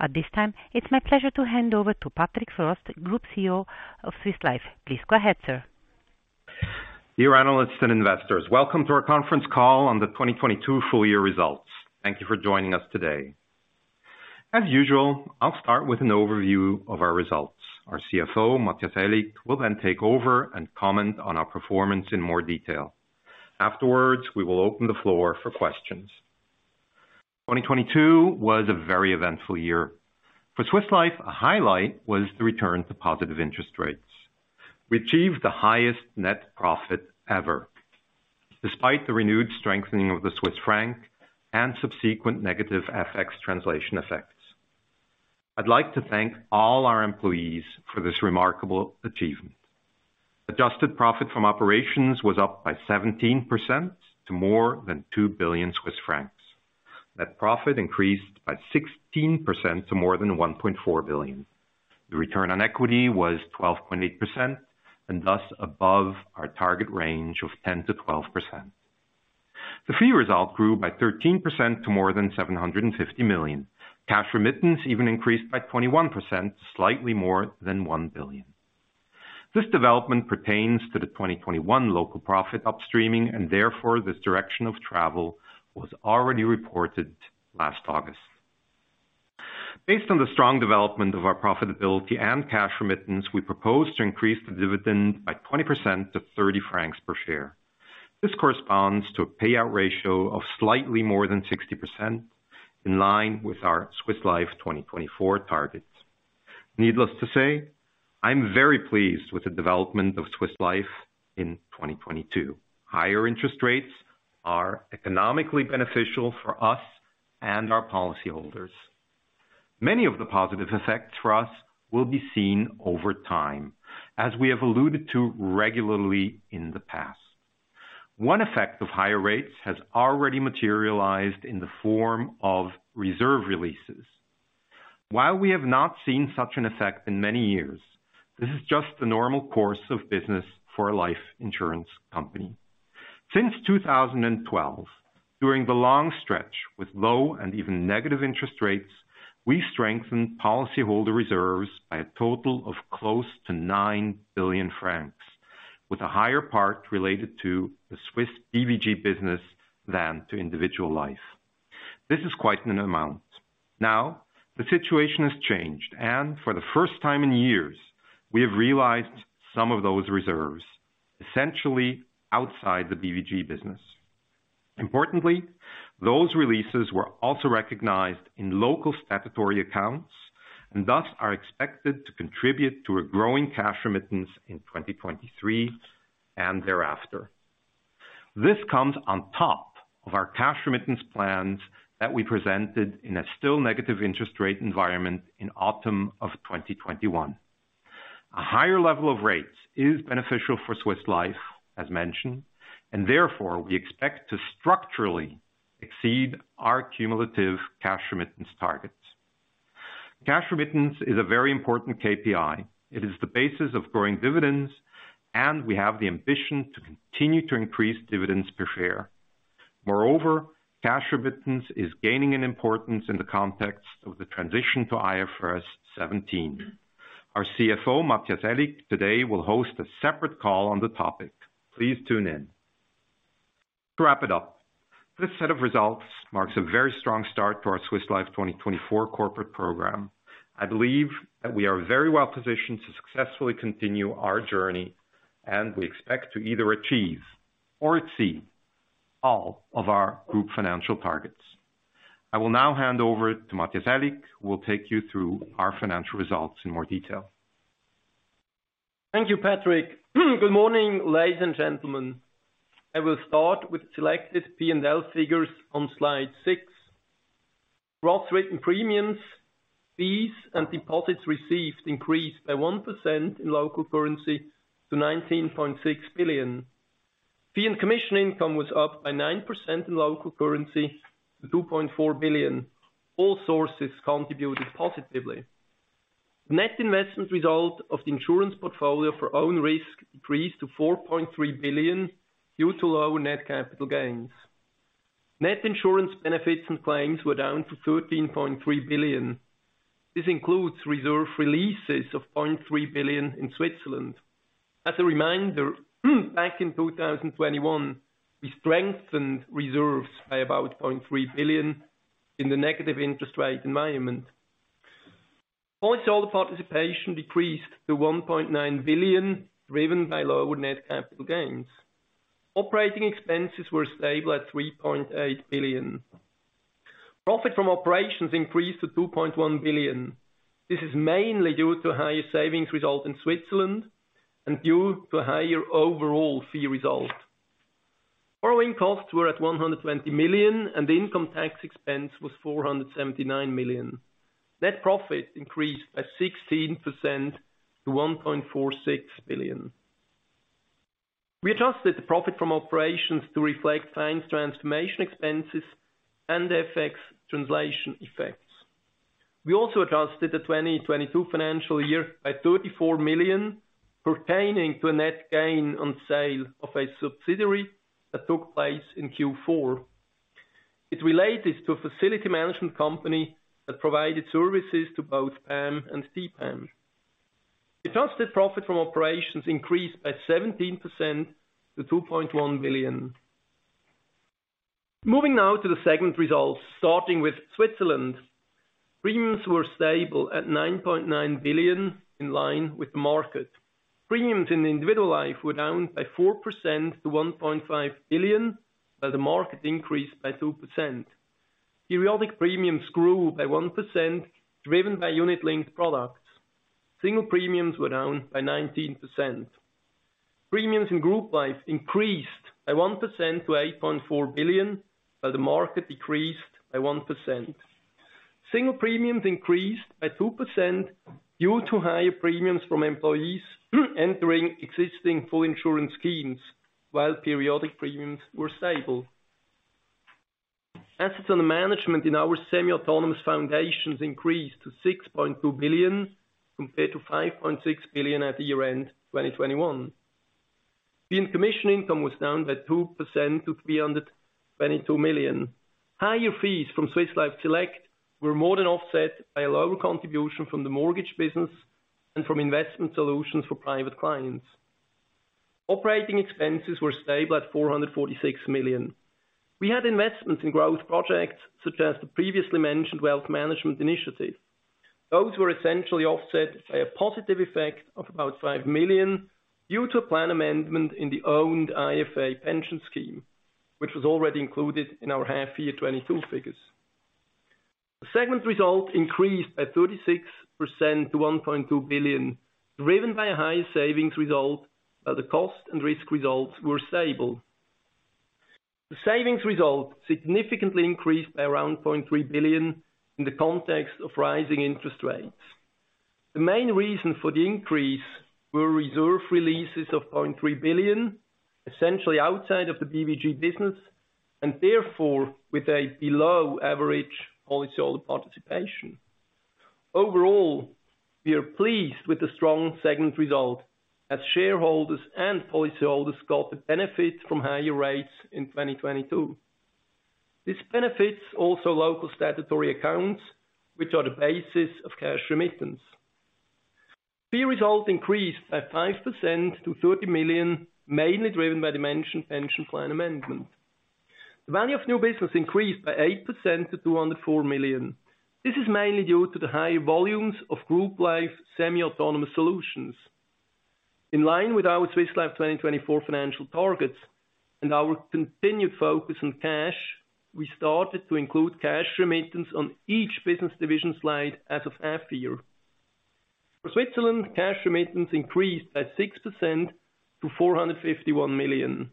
At this time, it's my pleasure to hand over to Patrick Frost, Group CEO of Swiss Life. Please go ahead, sir. Dear analysts and investors, welcome to our conference call on the 2022 full year results. Thank you for joining us today. As usual, I'll start with an overview of our results. Our CFO, Matthias Aellig, will then take over and comment on our performance in more detail. Afterwards, we will open the floor for questions. 2022 was a very eventful year. For Swiss Life, a highlight was the return to positive interest rates. We achieved the highest net profit ever, despite the renewed strengthening of the Swiss Franc and subsequent negative FX translation effects. I'd like to thank all our employees for this remarkable achievement. Adjusted profit from operations was up by 17% to more than 2 billion Swiss francs. Net profit increased by 16% to more than 1.4 billion. The return on equity was 12.8%, thus above our target range of 10%-12%. The fee result grew by 13% to more than 750 million. Cash remittance even increased by 21%, slightly more than 1 billion. This development pertains to the 2021 local profit upstreaming, therefore, this direction of travel was already reported last August. Based on the strong development of our profitability and cash remittance, we propose to increase the dividend by 20% to 30 francs per share. This corresponds to a payout ratio of slightly more than 60% in line with our Swiss Life 2024 targets. Needless to say, I'm very pleased with the development of Swiss Life in 2022. Higher interest rates are economically beneficial for us and our policy holders. Many of the positive effects for us will be seen over time, as we have alluded to regularly in the past. One effect of higher rates has already materialized in the form of reserve releases. While we have not seen such an effect in many years, this is just the normal course of business for a life insurance company. Since 2012, during the long stretch with low and even negative interest rates, we strengthened policyholder reserves by a total of close to 9 billion francs, with a higher part related to the Swiss BVG business than to individual life. This is quite an amount. The situation has changed, and for the first time in years, we have realized some of those reserves, essentially outside the BVG business. Importantly, those releases were also recognized in local statutory accounts and thus are expected to contribute to a growing cash remittance in 2023 and thereafter. This comes on top of our cash remittance plans that we presented in a still negative interest rate environment in autumn of 2021. A higher level of rates is beneficial for Swiss Life, as mentioned, therefore, we expect to structurally exceed our cumulative cash remittance targets. Cash remittance is a very important KPI. It is the basis of growing dividends, we have the ambition to continue to increase dividends per share. Moreover, cash remittance is gaining an importance in the context of the transition to IFRS 17. Our CFO, Matthias Aellig, today will host a separate call on the topic. Please tune in. To wrap it up, this set of results marks a very strong start to our Swiss Life 2024 corporate program. I believe that we are very well positioned to successfully continue our journey, and we expect to either achieve or exceed all of our group financial targets. I will now hand over to Matthias Aellig, who will take you through our financial results in more detail. Thank you, Patrick. Good morning, ladies and gentlemen. I will start with selected P&L figures on slide six. Gross written premiums, fees, and deposits received increased by 1% in local currency to 19.6 billion. Fee and commission income was up by 9% in local currency to 2.4 billion. All sources contributed positively. Net investment result of the insurance portfolio for own risk increased to 4.3 billion due to lower net capital gains. Net insurance benefits and claims were down to 13.3 billion. This includes reserve releases of 0.3 billion in Switzerland. As a reminder, back in 2021, we strengthened reserves by about 300 million in the negative interest rate environment. Policyholder participation decreased to 1.9 billion, driven by lower net capital gains. Operating expenses were stable at 3.8 billion. Profit from operations increased to 2.1 billion. This is mainly due to higher savings result in Switzerland and due to higher overall fee result. Borrowing costs were at 120 million. The income tax expense was 479 million. Net profit increased by 16% to 1.46 billion. We adjusted the profit from operations to reflect claims transformation expenses and FX translation effects. We also adjusted the 2022 financial year by 34 million pertaining to a net gain on sale of a subsidiary that took place in Q4. It related to a facility management company that provided services to both PAM and TPAM. Adjusted profit from operations increased by 17% to 2.1 billion. Moving now to the segment results, starting with Switzerland. Premiums were stable at 9.9 billion, in line with the market. Premiums in individual life were down by 4% to 1.5 billion, while the market increased by 2%. Periodic premiums grew by 1% driven by unit-linked products. Single premiums were down by 19%. Premiums in group life increased by 1% to 8.4 billion, while the market decreased by 1%. Single premiums increased by 2% due to higher premiums from employees entering existing full insurance schemes while periodic premiums were stable. Assets under management in our semi-autonomous foundations increased to 6.2 billion compared to 5.6 billion at the year-end 2021. Fee and commission income was down by 2% to 322 million. Higher fees from Swiss Life Select were more than offset by a lower contribution from the mortgage business and from investment solutions for private clients. Operating expenses were stable at 446 million. We had investments in growth projects, such as the previously mentioned wealth management initiative. Those were essentially offset by a positive effect of about 5 million due to a plan amendment in the owned IFA pension scheme, which was already included in our half year 2022 figures. The segment result increased by 36% to 1.2 billion, driven by a higher savings result, while the cost and risk results were stable. The savings result significantly increased by around 300 million in the context of rising interest rates. The main reason for the increase were reserve releases of 300 milion, essentially outside of the BVG business, and therefore with a below average policyholder participation. Overall, we are pleased with the strong segment result as shareholders and policyholders got the benefit from higher rates in 2022. This benefits also local statutory accounts, which are the basis of cash remittance. Fee result increased by 5% to 30 million, mainly driven by the mentioned pension plan amendment. The value of new business increased by 8% to 204 million. This is mainly due to the higher volumes of group life semi-autonomous solutions. In line with our Swiss Life 2024 financial targets and our continued focus on cash, we started to include cash remittance on each business division slide as of half year. For Switzerland, cash remittance increased by 6% to 451 million.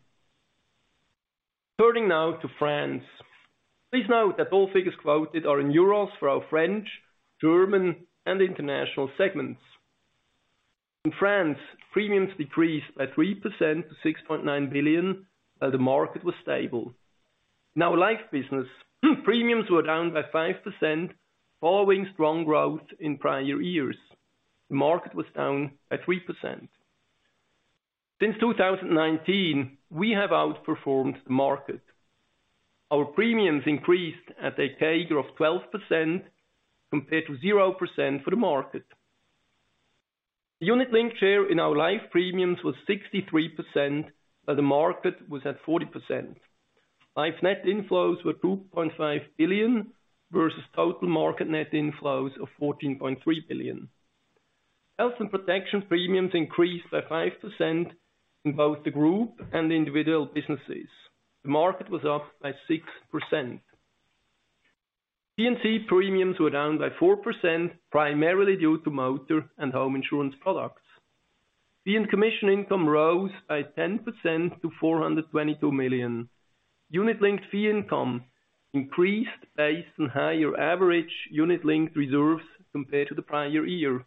Turning now to France. Please note that all figures quoted are in euros for our French, German, and international segments. In France, premiums decreased by 3% to 6.9 billion, while the market was stable. In our life business, premiums were down by 5% following strong growth in prior years. The market was down by 3%. Since 2019, we have outperformed the market. Our premiums increased at a CAGR of 12% compared to 0% for the market. The unit-linked share in our life premiums was 63%, while the market was at 40%. Life net inflows were 2.5 billion versus total market net inflows of 14.3 billion. Health and protection premiums increased by 5% in both the group and individual businesses. The market was up by 6%. P&C premiums were down by 4%, primarily due to motor and home insurance products. Fee and commission income rose by 10% to 422 million. Unit-linked fee income increased based on higher average unit-linked reserves compared to the prior year.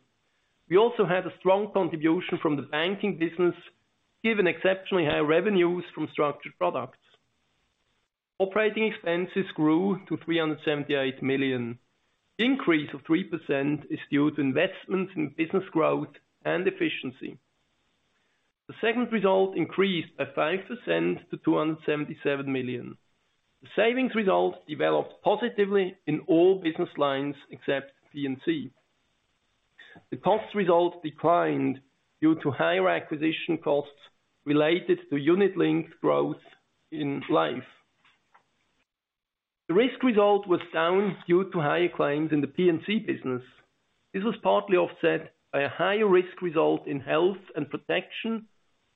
We also had a strong contribution from the banking business, given exceptionally high revenues from structured products. Operating expenses grew to 378 million. Increase of 3% is due to investments in business growth and efficiency. The segment result increased by 5% to 277 million. The savings result developed positively in all business lines except P&C. The cost result declined due to higher acquisition costs related to unit-linked growth in life. The risk result was down due to higher claims in the P&C business. This was partly offset by a higher risk result in health and protection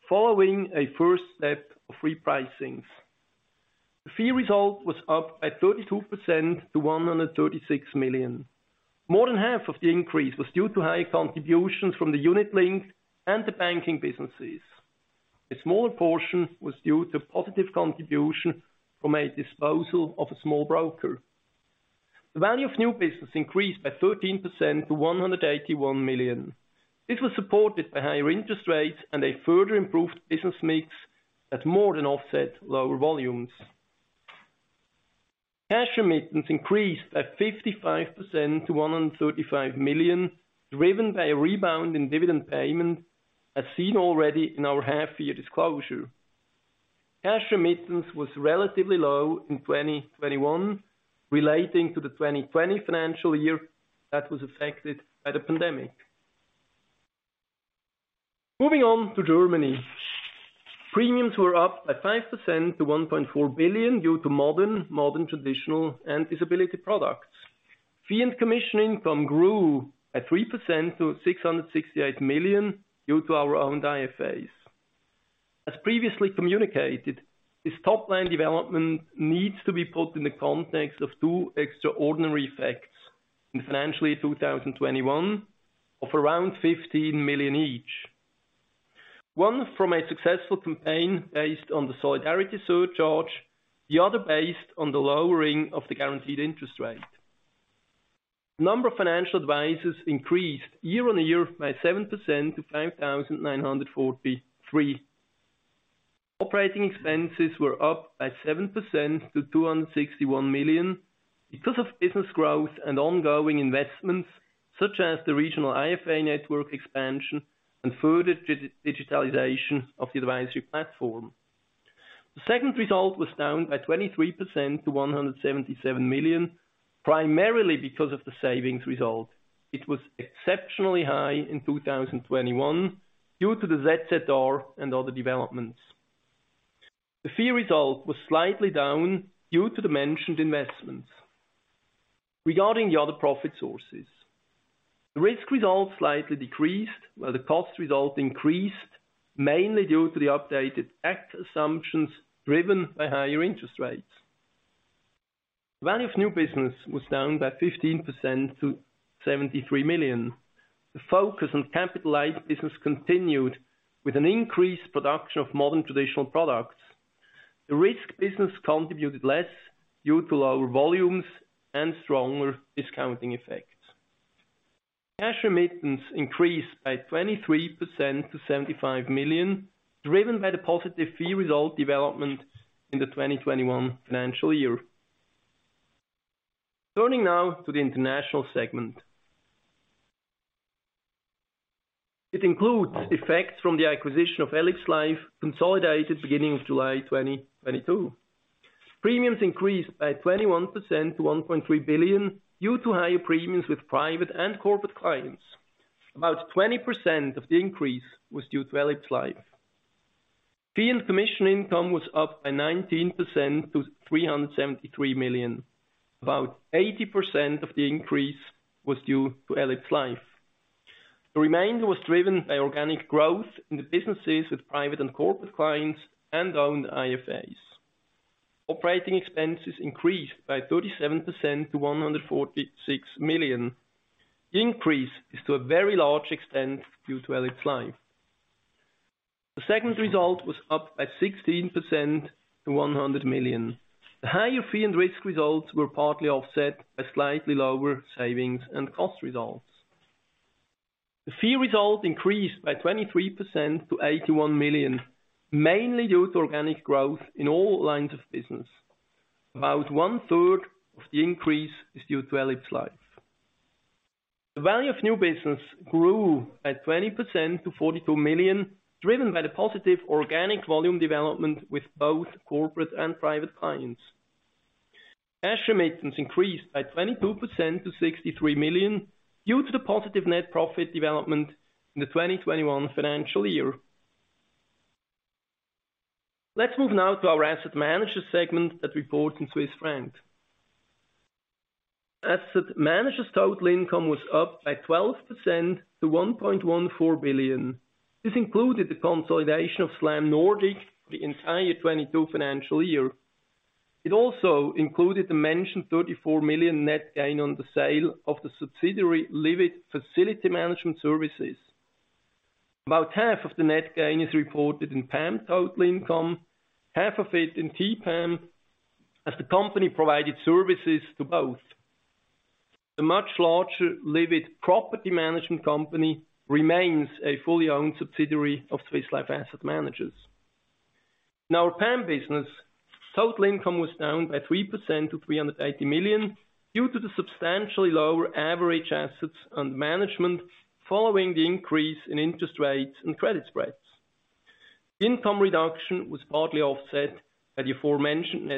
following a first step of repricings. The fee result was up by 32% to 136 million. More than half of the increase was due to higher contributions from the unit-linked and the banking businesses. A smaller portion was due to positive contribution from a disposal of a small broker. The value of new business increased by 13% to 181 million. This was supported by higher interest rates and a further improved business mix that more than offset lower volumes. Cash remittance increased by 55% to 135 million, driven by a rebound in dividend payment, as seen already in our half year disclosure. Cash remittance was relatively low in 2021 relating to the 2020 financial year that was affected by the pandemic. Moving on to Germany. Premiums were up by 5% to 1.4 billion due to modern traditional and disability products. Fee and commission income grew at 3% to 668 million due to our own IFAs. As previously communicated, this top line development needs to be put in the context of two extraordinary effects in financial year 2021 of around 15 million each. One from a successful campaign based on the solidarity surcharge, the other based on the lowering of the guaranteed interest rate. Number of financial advisors increased year-over-year by 7% to 5,943. Operating expenses were up by 7% to 261 million because of business growth and ongoing investments such as the regional IFA network expansion and further digitalization of the advisory platform. The segment result was down by 23% to 177 million, primarily because of the savings result. It was exceptionally high in 2021 due to the ZZR and other developments. The fee result was slightly down due to the mentioned investments. Regarding the other profit sources, the risk result slightly decreased, while the cost result increased mainly due to the updated act assumptions driven by higher interest rates. Value of new business was down by 15% to 73 million. The focus on capitalized business continued with an increased production of modern traditional products. The risk business contributed less due to lower volumes and stronger discounting effects. Cash remittance increased by 23% to 75 million, driven by the positive fee result development in the 2021 financial year. Turning now to the international segment. It includes effects from the acquisition of ElipsLife consolidated beginning of July 2022. Premiums increased by 21% to 1.3 billion due to higher premiums with private and corporate clients. About 20% of the increase was due to ElipsLife. Fee and commission income was up by 19% to 373 million. About 80% of the increase was due to ElipsLife. The remainder was driven by organic growth in the businesses with private and corporate clients and owned IFAs. Operating expenses increased by 37% to 146 million. The increase is to a very large extent due to ElipsLife. The segment result was up by 16% to 100 million. The higher fee and risk results were partly offset by slightly lower savings and cost results. The fee result increased by 23% to 81 million, mainly due to organic growth in all lines of business. About one third of the increase is due to ElipsLife. The value of new business grew by 20% to 42 million, driven by the positive organic volume development with both corporate and private clients. Cash remittance increased by 22% to 63 million due to the positive net profit development in the 2021 financial year. Let's move now to our asset managers segment that reports in Swiss Franc. Asset managers total income was up by 12% to 1.14 billion. This included the consolidation of SLAM Nordic for the entire 2022 financial year. It also included the mentioned 34 million net gain on the sale of the subsidiary, Livit Facility Management Services. About half of the net gain is reported in PAM total income, half of it in TPAM, as the company provided services to both. The much larger Livit property management company remains a fully owned subsidiary of Swiss Life Asset Managers. Our PAM business total income was down by 3% to 380 million due to the substantially lower average assets on management following the increase in interest rates and credit spreads. Income reduction was partly offset by the aforementioned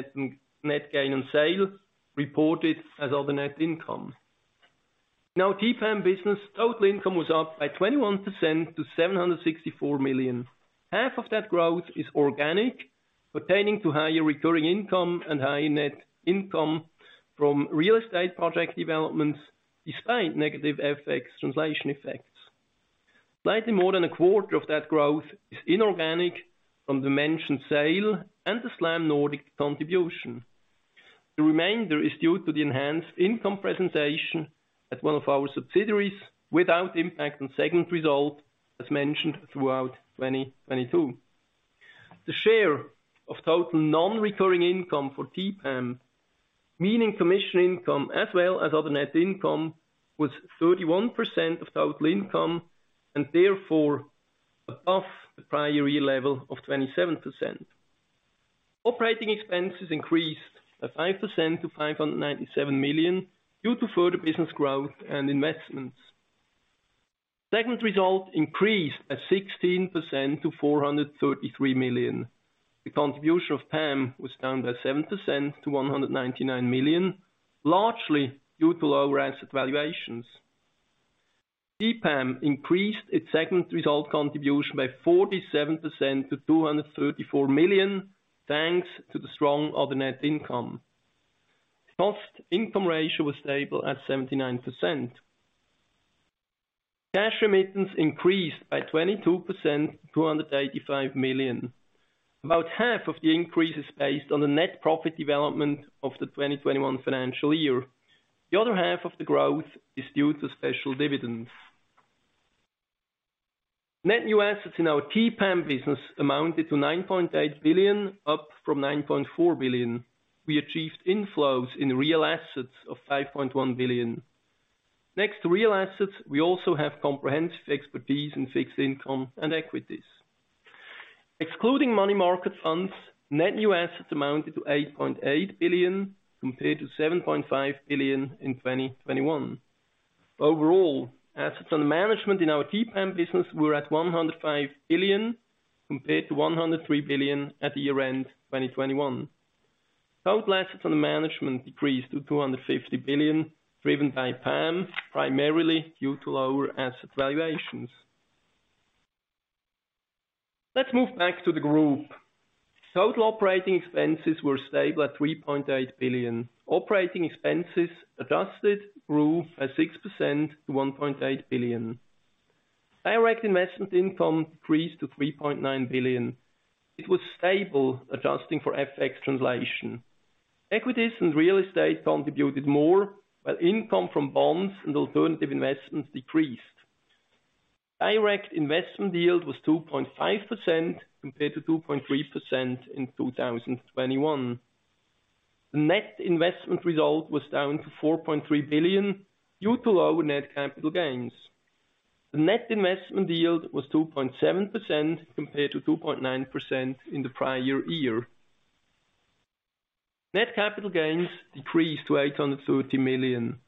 net gain on sale reported as other net income. TPAM business total income was up by 21% to 764 million. Half of that growth is organic, pertaining to higher recurring income and high net income from real estate project developments despite negative FX translation effects. Slightly more than a quarter of that growth is inorganic from the mentioned sale and the SLAM Nordic contribution. The remainder is due to the enhanced income presentation at one of our subsidiaries without impact on segment result as mentioned throughout 2022. The share of total non-recurring income for TPAM, meaning commission income as well as other net income, was 31% of total income and therefore above the prior year level of 27%. Operating expenses increased by 5% to 597 million, due to further business growth and investments. Segment result increased at 16% to 433 million. The contribution of PAM was down by 7% to 199 million, largely due to lower asset valuations. TPAM increased its segment result contribution by 47% to 234 million, thanks to the strong other net income. Cost income ratio was stable at 79%. Cash remittance increased by 22% to 285 million. About half of the increase is based on the net profit development of the 2021 financial year. The other half of the growth is due to special dividends. Net New Assets in our TPAM business amounted to 9.8 billion, up from 9.4 billion. We achieved inflows in real assets of 5.1 billion. Next to real assets, we also have comprehensive expertise in fixed income and equities. Excluding money market funds, Net New Assets amounted to 8.8 billion, compared to 7.5 billion in 2021. Overall, assets under management in our TPAM business were at 105 billion, compared to 103 billion at the year-end 2021. Total assets under management decreased to 250 billion, driven by PAM, primarily due to lower asset valuations. Let's move back to the group. Total operating expenses were stable at 3.8 billion. Operating expenses adjusted grew at 6% to 1.8 billion. Direct investment income decreased to 3.9 billion. It was stable, adjusting for FX translation. Equities and real estate contributed more, while income from bonds and alternative investments decreased. Direct investment yield was 2.5% compared to 2.3% in 2021. The net investment result was down to 4.3 billion due to lower net capital gains. The net investment yield was 2.7% compared to 2.9% in the prior year. Net capital gains decreased to 830 million.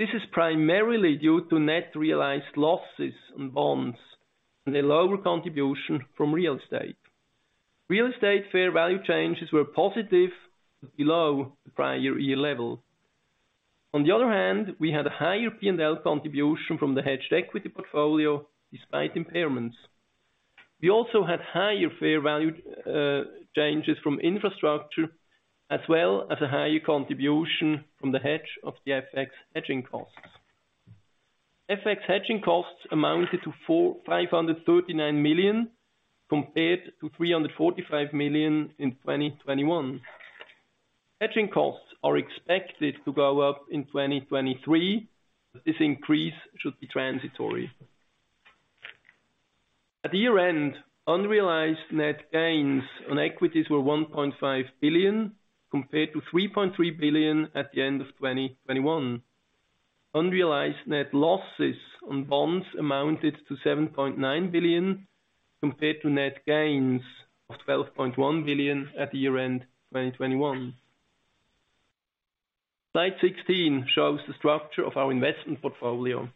This is primarily due to net realized losses on bonds and a lower contribution from real estate. Real estate fair value changes were positive below the prior year level. We had a higher P&L contribution from the hedged equity portfolio despite impairments. We also had higher fair value changes from infrastructure, as well as a higher contribution from the hedge of the FX hedging costs. FX hedging costs amounted to 539 million, compared to 345 million in 2021. Hedging costs are expected to go up in 2023. This increase should be transitory. At the year-end, unrealized net gains on equities were 1.5 billion, compared to 3.3 billion at the end of 2021. Unrealized net losses on bonds amounted to 7.9 billion, compared to net gains of 12.1 billion at the year-end 2021. Slide 16 shows the structure of our investment portfolio.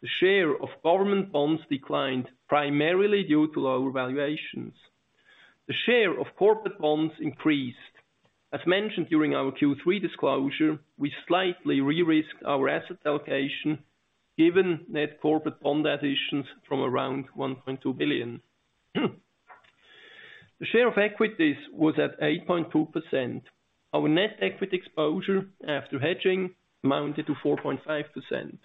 The share of government bonds declined primarily due to lower valuations. The share of corporate bonds increased. As mentioned during our Q3 disclosure, we slightly re-risked our asset allocation given net corporate bond additions from around 1.2 billion. The share of equities was at 8.2%. Our net equity exposure after hedging amounted to 4.5%.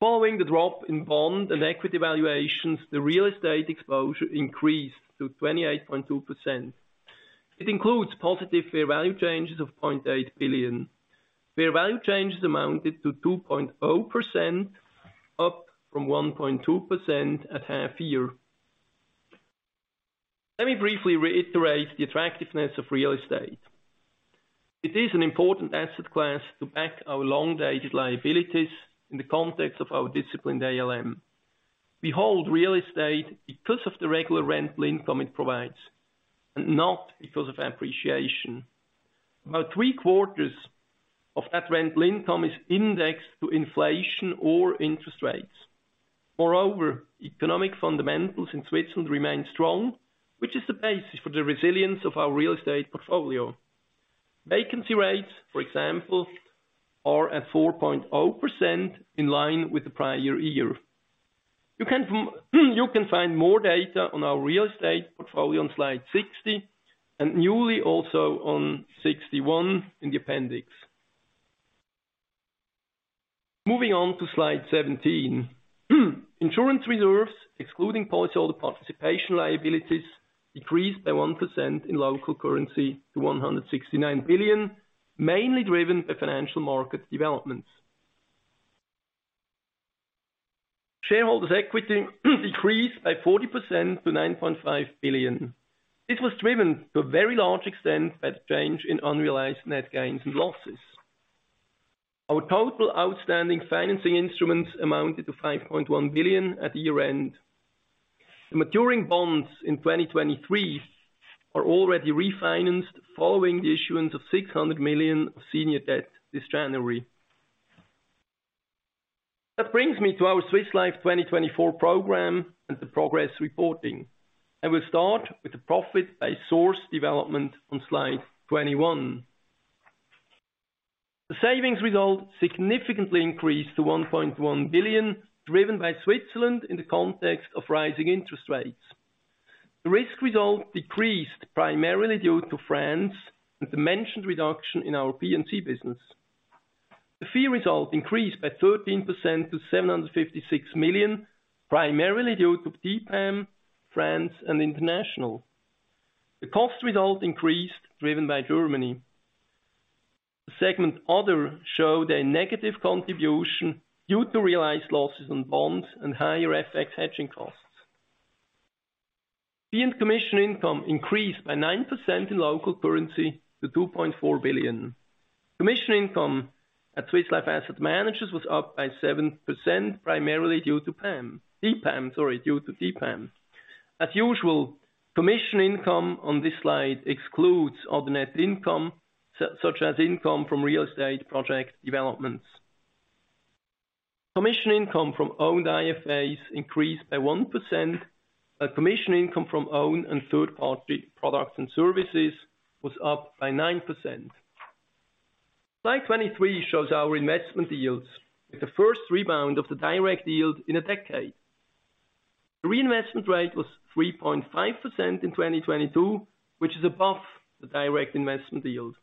Following the drop in bond and equity valuations, the real estate exposure increased to 28.2%. It includes positive fair value changes of 800 million. Fair value changes amounted to 2.0%, up from 1.2% at half year. Let me briefly reiterate the attractiveness of real estate. It is an important asset class to back our long-dated liabilities in the context of our disciplined ALM. We hold real estate because of the regular rental income it provides, and not because of appreciation. About three-quarters of that rental income is indexed to inflation or interest rates. Economic fundamentals in Switzerland remain strong, which is the basis for the resilience of our real estate portfolio. Vacancy rates, for example, are at 4.0% in line with the prior year. You can find more data on our real estate portfolio on slide 60, and newly also on 61 in the appendix. Moving on to slide 17. Insurance reserves, excluding policyholder participation liabilities, decreased by 1% in local currency to 169 billion, mainly driven by financial market developments. Shareholders equity decreased by 40% to 9.5 billion. This was driven to a very large extent by the change in unrealized net gains and losses. Our total outstanding financing instruments amounted to 5.1 billion at the year-end. The maturing bonds in 2023 are already refinanced following the issuance of 600 million of senior debt this January. That brings me to our Swiss Life 2024 program and the progress reporting. I will start with the profit by source development on slide 21. The savings result significantly increased to 1.1 billion, driven by Switzerland in the context of rising interest rates. The risk result decreased primarily due to France and the mentioned reduction in our P&C business. The fee result increased by 13% to 756 million, primarily due to DPAM, France and International. The cost result increased driven by Germany. The segment other showed a negative contribution due to realized losses on bonds and higher FX hedging costs. Fee and commission income increased by 9% in local currency to 2.4 billion. Commission income at Swiss Life Asset Managers was up by 7% primarily due to PAM. DPAM, due to DPAM. As usual, commission income on this slide excludes other net income such as income from real estate project developments. Commission income from owned IFAs increased by 1%, while commission income from owned and third-party products and services was up by 9%. Slide 23 shows our investment yields with the first rebound of the direct yield in a decade. Reinvestment rate was 3.5% in 2022, which is above the direct investment yield.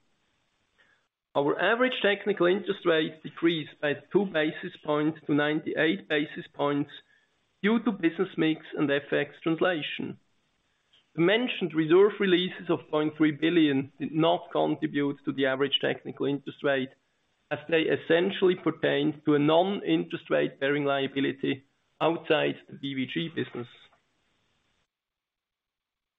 Our average technical interest rate decreased by two basis points to 98 basis points due to business mix and FX translation. The mentioned reserve releases of 300 million did not contribute to the average technical interest rate as they essentially pertained to a non-interest rate bearing liability outside the BVG business.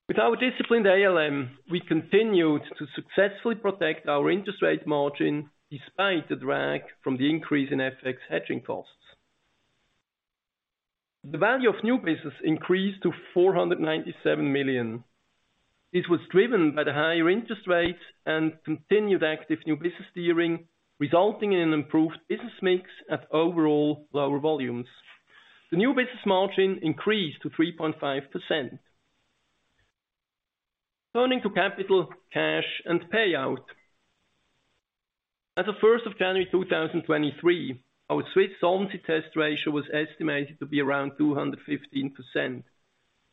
With our disciplined ALM, we continued to successfully protect our interest rate margin despite the drag from the increase in FX hedging costs. The value of new business increased to 497 million. This was driven by the higher interest rates and continued active new business steering, resulting in improved business mix at overall lower volumes. The new business margin increased to 3.5%. Turning to capital, cash and payout. As of first of January 2023, our Swiss Solvency Test Ratio was estimated to be around 215%.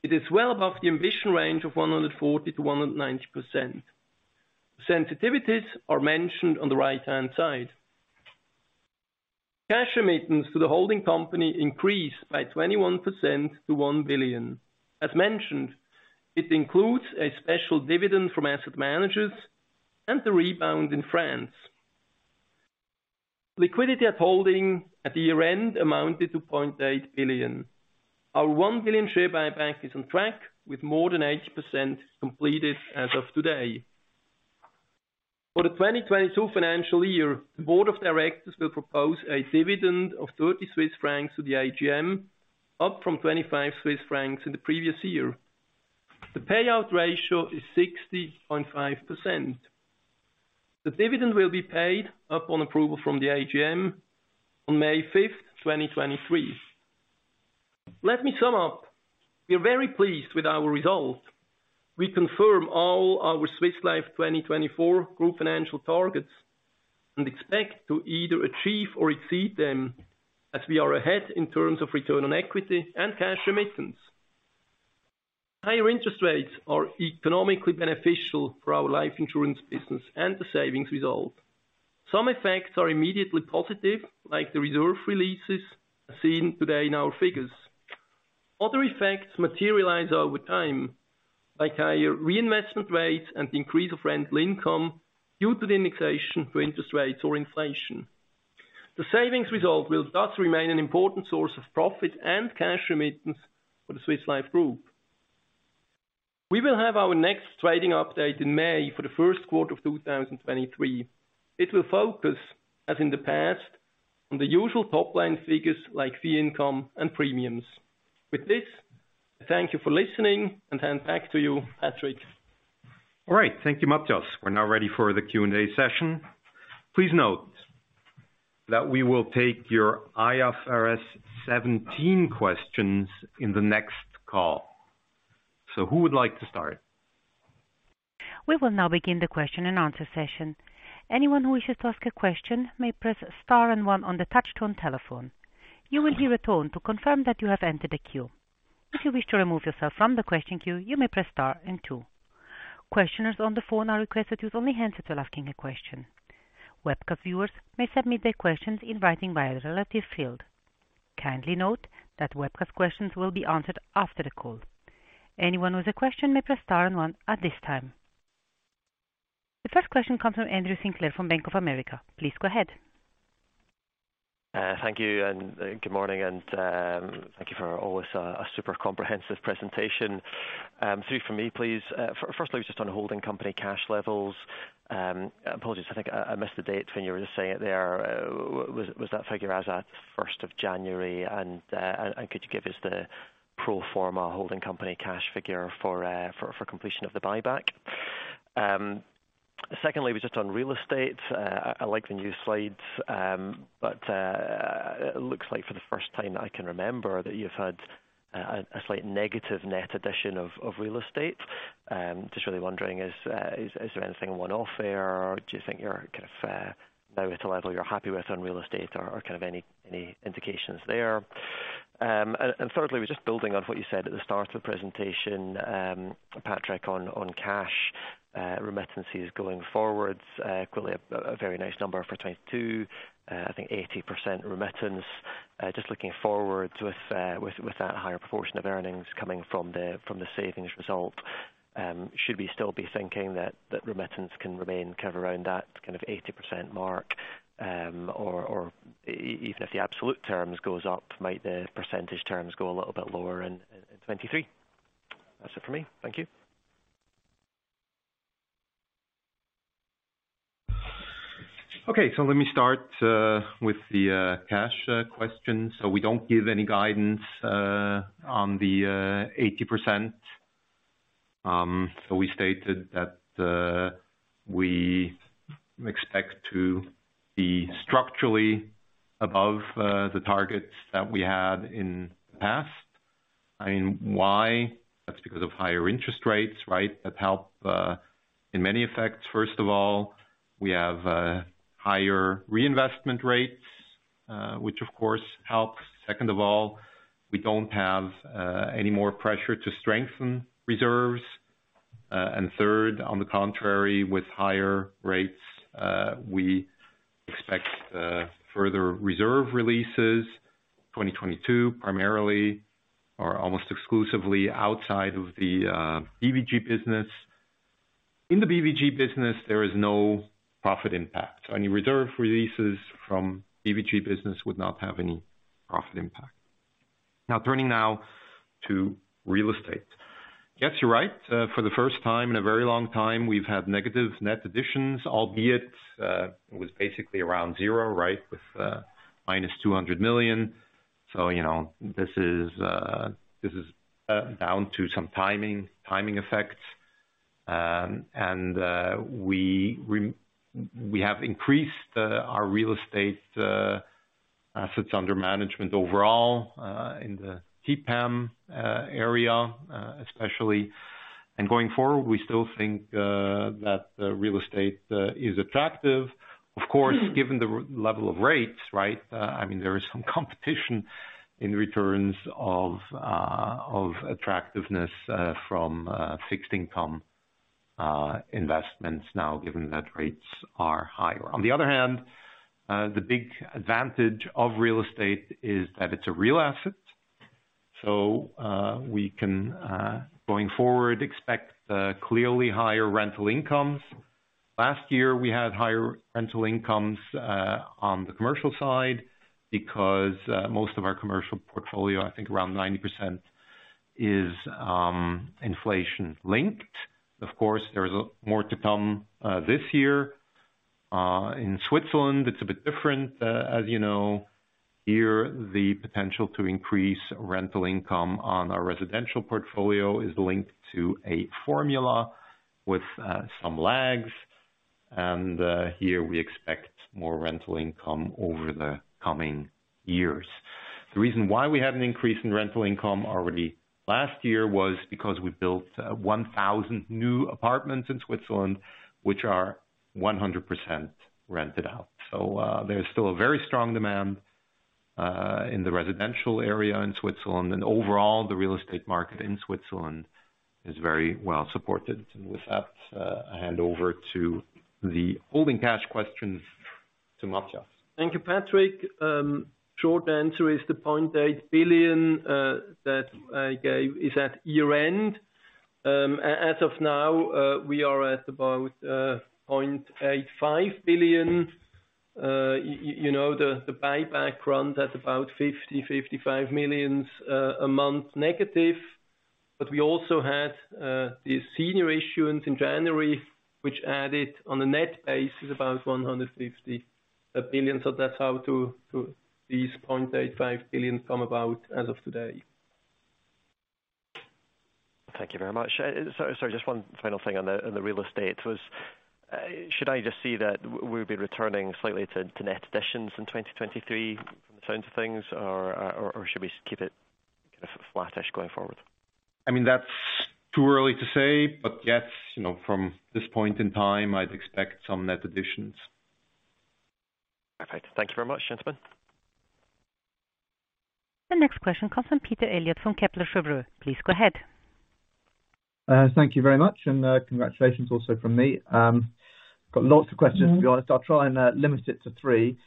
It is well above the ambition range of 140%-190%. Sensitivities are mentioned on the right-hand side. Cash remittance to the holding company increased by 21% to 1 billion. As mentioned, it includes a special dividend from Asset Managers and the rebound in France. Liquidity at holding at the year-end amounted to 800 million. Our 1 billion share buyback is on track with more than 80% completed as of today. For the 2022 financial year, the board of directors will propose a dividend of 30 Swiss francs to the AGM, up from 25 Swiss francs in the previous year. The payout ratio is 60.5%. The dividend will be paid upon approval from the AGM on May 5th, 2023. Let me sum up. We are very pleased with our results. We confirm all our Swiss Life 2024 group financial targets and expect to either achieve or exceed them as we are ahead in terms of return on equity and cash remittance. Higher interest rates are economically beneficial for our life insurance business and the savings result. Some effects are immediately positive, like the reserve releases seen today in our figures. Other effects materialize over time, like higher reinvestment rates and increase of rental income due to the indexation for interest rates or inflation. The savings result will thus remain an important source of profit and cash remittance for the Swiss Life Group. We will have our next trading update in May for the first quarter of 2023. It will focus, as in the past, on the usual top-line figures like fee income and premiums. With this, thank you for listening and hand back to you, Patrick. All right. Thank you, Matthias. We're now ready for the Q&A session. Please note that we will take your IFRS 17 questions in the next call. Who would like to start? We will now begin the question and answer session. Anyone who wishes to ask a question may press Star and One on the touch tone telephone. You will hear a tone to confirm that you have entered the queue. If you wish to remove yourself from the question queue, you may press Star and Two. Questioners on the phone are requested to only answer to asking a question. Webcast viewers may submit their questions in writing via the relative field. Kindly note that webcast questions will be answered after the call. Anyone with a question may press Star and One at this time. The first question comes from Andrew Sinclair from Bank of America. Please go ahead. Thank you and good morning, and thank you for always a super comprehensive presentation. Three from me, please. Firstly, just on a holding company cash levels. Apologies, I think I missed the date when you were just saying it there. Was that figure as at January 1st, and could you give us the pro forma holding company cash figure for completion of the buyback? Secondly, was just on real estate. I like the new slides. It looks like for the first time that I can remember that you've had a slight negative net addition of real estate. Just really wondering is there anything one-off there or do you think you're kind of now at a level you're happy with on real estate or kind of any indications there? Thirdly, was just building on what you said at the start of the presentation, Patrick, on cash remittances going forwards. Clearly a very nice number for 2022. I think 80% remittance. Just looking forward with that higher proportion of earnings coming from the savings result, should we still be thinking that remittance can remain kind of around that kind of 80% mark? Or even if the absolute terms goes up, might the percentage terms go a little bit lower in 2023? That's it for me. Thank you. Let me start with the cash question. We don't give any guidance on the 80%. We stated that we expect to be structurally above the targets that we had in the past. I mean, why? That's because of higher interest rates, right? That help in many effects. First of all, we have higher reinvestment rates, which of course helps. Second of all, we don't have any more pressure to strengthen reserves. Third, on the contrary, with higher rates, we expect further reserve releases 2022 primarily, or almost exclusively outside of the BVG business. In the BVG business, there is no profit impact. Any reserve releases from BVG business would not have any profit impact. Now, turning now to real estate. Yes, you're right. For the first time in a very long time, we've had negative net additions, albeit, it was basically around zero. With minus 200 million. You know, this is down to some timing effects. We have increased our real estate assets under management overall in the TPAM area especially. Going forward, we still think that the real estate is attractive. Of course, given the level of rates. I mean, there is some competition in returns of attractiveness from fixed income investments now, given that rates are higher. On the other hand, the big advantage of real estate is that it's a real asset. We can, going forward, expect clearly higher rental incomes. Last year, we had higher rental incomes on the commercial side because most of our commercial portfolio, I think around 90% is inflation linked. Of course, there's more to come this year. In Switzerland, it's a bit different. As you know, here, the potential to increase rental income on our residential portfolio is linked to a formula with some lags, here we expect more rental income over the coming years. The reason why we had an increase in rental income already last year was because we built 1,000 new apartments in Switzerland, which are 100% rented out. There's still a very strong demand in the residential area in Switzerland. Overall, the real estate market in Switzerland is very well supported. With that, I hand over to the holding cash questions to Matthias. Thank you, Patrick. Short answer is the 800 million that I gave is at year-end. As of now, we are at about 850 million. You know, the buyback run at about 50 million-55 million a month negative. We also had the senior issuance in January, which added on a net basis about 150 billion. That's how these 850 million come about as of today. Thank you very much. Just one final thing on the, on the real estate was, should I just see that we'll be returning slightly to net additions in 2023 from the sounds of things or should we keep it kind of flattish going forward? I mean, that's too early to say, but yes, you know, from this point in time, I'd expect some net additions. Perfect. Thank you very much, gentlemen. The next question comes from Peter Eliot from Kepler Cheuvreux. Please go ahead. Thank you very much and congratulations also from me. Got lots of questions, to be honest. I'll try and limit it to three.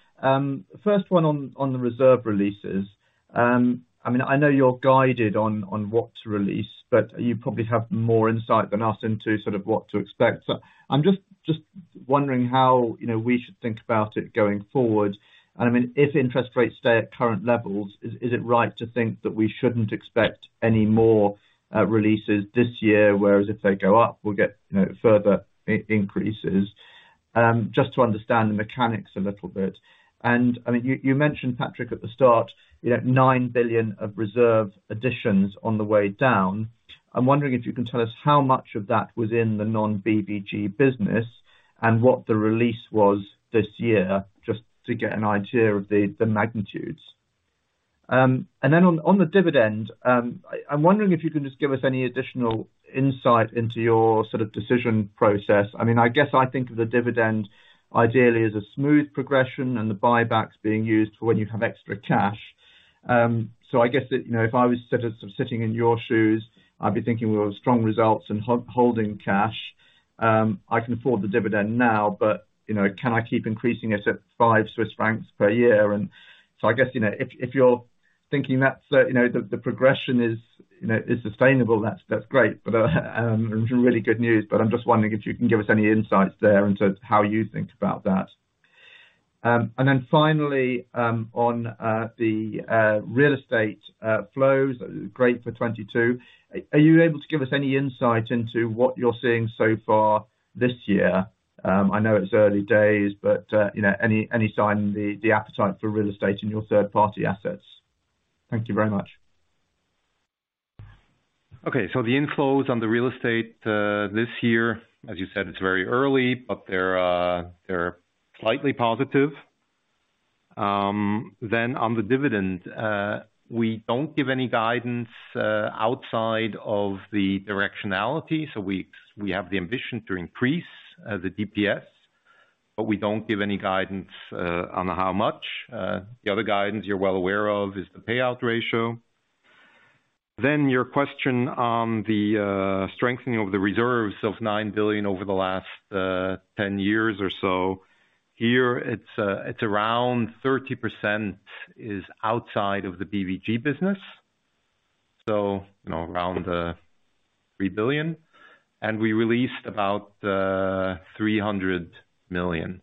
First one on the reserve releases. I mean, I know you're guided on what to release, but you probably have more insight than us into sort of what to expect. I'm just wondering how, you know, we should think about it going forward. I mean, if interest rates stay at current levels, is it right to think that we shouldn't expect any more releases this year? Whereas if they go up we'll get, you know, further increases. Just to understand the mechanics a little bit. I mean, you mentioned, Patrick, at the start, you know, 9 billion of reserve additions on the way down. I'm wondering if you can tell us how much of that was in the non-BVG business and what the release was this year, just to get an idea of the magnitudes. On the dividend, I'm wondering if you can just give us any additional insight into your sort of decision process. I mean, I guess I think of the dividend ideally as a smooth progression and the buybacks being used for when you have extra cash. I guess, you know, if I was sitting in your shoes, I'd be thinking we have strong results and holding cash. I can afford the dividend now, but, you know, can I keep increasing it at 5 Swiss francs per year? I guess, you know, if you're thinking that, you know, the progression is, you know, sustainable, that's great. Some really good news. I'm just wondering if you can give us any insights there into how you think about that. Finally, on the real estate flows, great for 2022. Are you able to give us any insight into what you're seeing so far this year? I know it's early days, but, you know, any sign the appetite for real estate in your third party assets? Thank you very much. Okay. The inflows on the real estate this year, as you said, it's very early, but they're slightly positive. Then on the dividend, we don't give any guidance outside of the directionality. We have the ambition to increase the DPS, but we don't give any guidance on how much. The other guidance you're well aware of is the payout ratio. Your question on the strengthening of the reserves of 9 billion over the last 10 years or so. Here, it's around 30% is outside of the BVG business. You know, around 3 billion. We released about 300 million.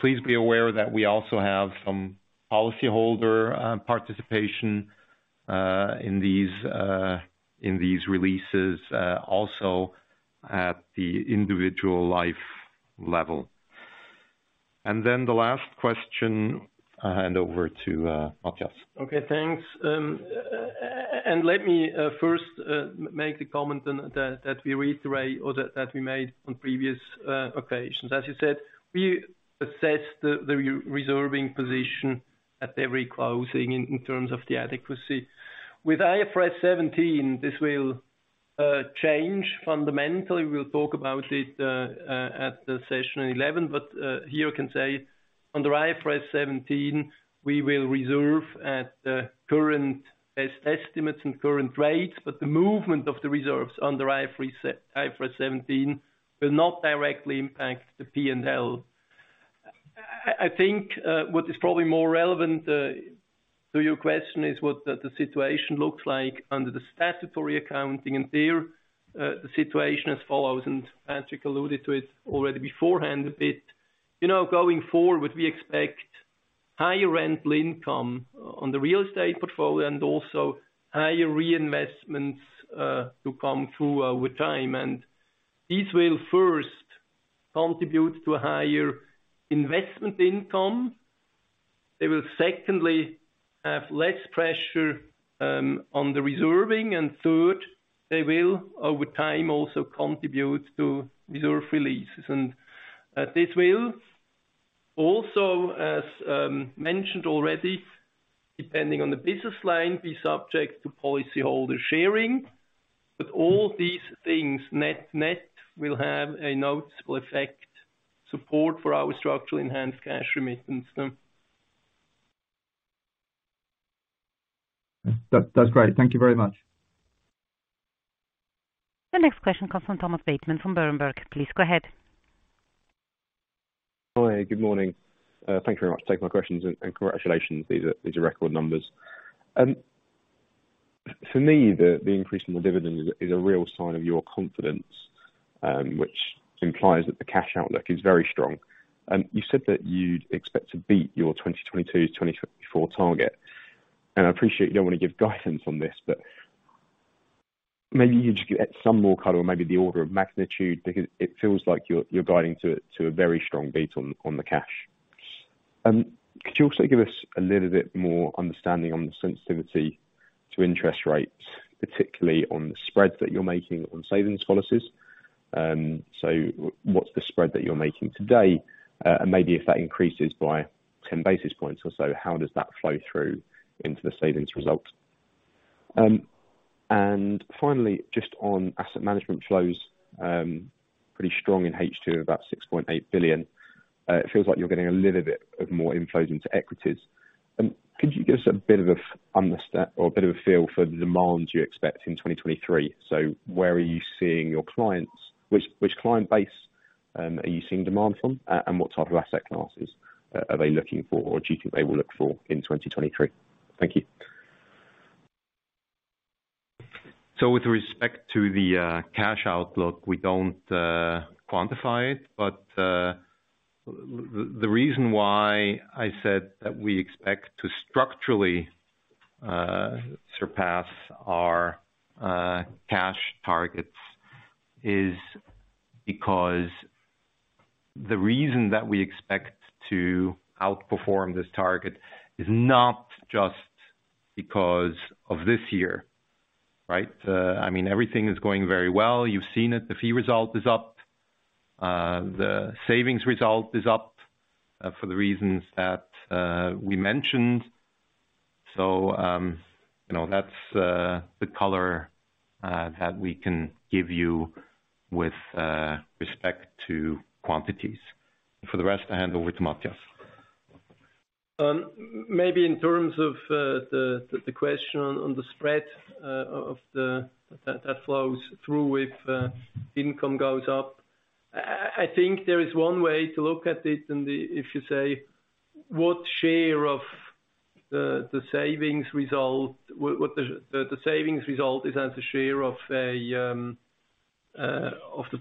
Please be aware that we also have some policyholder participation in these releases also at the individual life level. The last question, I'll hand over to Matthias. Okay, thanks. Let me first make the comment that we reiterate or that we made on previous occasions. As you said, we assess the reserving position at every closing in terms of the adequacy. With IFRS 17, this will change fundamentally. We'll talk about it at the session 11. Here I can say on the IFRS 17, we will reserve at current best estimates and current rates, but the movement of the reserves on the IFRS 17 will not directly impact the P&L. I think what is probably more relevant to your question is what the situation looks like under the statutory accounting. There, the situation as follows, and Patrick alluded to it already beforehand a bit. You know, going forward, we expect higher rental income on the real estate portfolio and also higher reinvestments to come through over time. These will first contribute to a higher investment income. They will secondly have less pressure on the reserving. Third, they will over time also contribute to reserve releases. This will also, as mentioned already, depending on the business line, be subject to policyholder sharing. All these things net-net will have a noticeable effect, support for our structural enhanced cash remittance. That's great. Thank you very much. The next question comes from Thomas Bateman from Berenberg. Please go ahead. Good morning. Thank you very much for taking my questions. Congratulations. These are record numbers. For me, the increase in the dividend is a real sign of your confidence, which implies that the cash outlook is very strong. You said that you'd expect to beat your 2022/2024 target. I appreciate you don't want to give guidance on this, but maybe you just give some more color or maybe the order of magnitude, because it feels like you're guiding to a very strong beat on the cash. Could you also give us a little bit more understanding on the sensitivity to interest rates, particularly on the spreads that you're making on savings policies? What's the spread that you're making today? Maybe if that increases by 10 basis points or so, how does that flow through into the savings results? Finally, just on asset management flows, pretty strong in H2, about 6.8 billion. It feels like you're getting a little bit of more inflows into equities. Could you give us a bit of a feel for the demand you expect in 2023? Where are you seeing your clients? Which client base Are you seeing demand from, and what type of asset classes are they looking for or do you think they will look for in 2023? Thank you. With respect to the cash outlook, we don't quantify it, but the reason why I said that we expect to structurally surpass our cash targets is because the reason that we expect to outperform this target is not just because of this year, right? I mean, everything is going very well. You've seen it, the fee result is up. The savings result is up for the reasons that we mentioned. You know, that's the color that we can give you with respect to quantities. For the rest, I hand over to Matthias. Maybe in terms of the question on the spread that flows through with income goes up. I think there is one way to look at it, and if you say what share of the savings result, what the savings result is as a share of the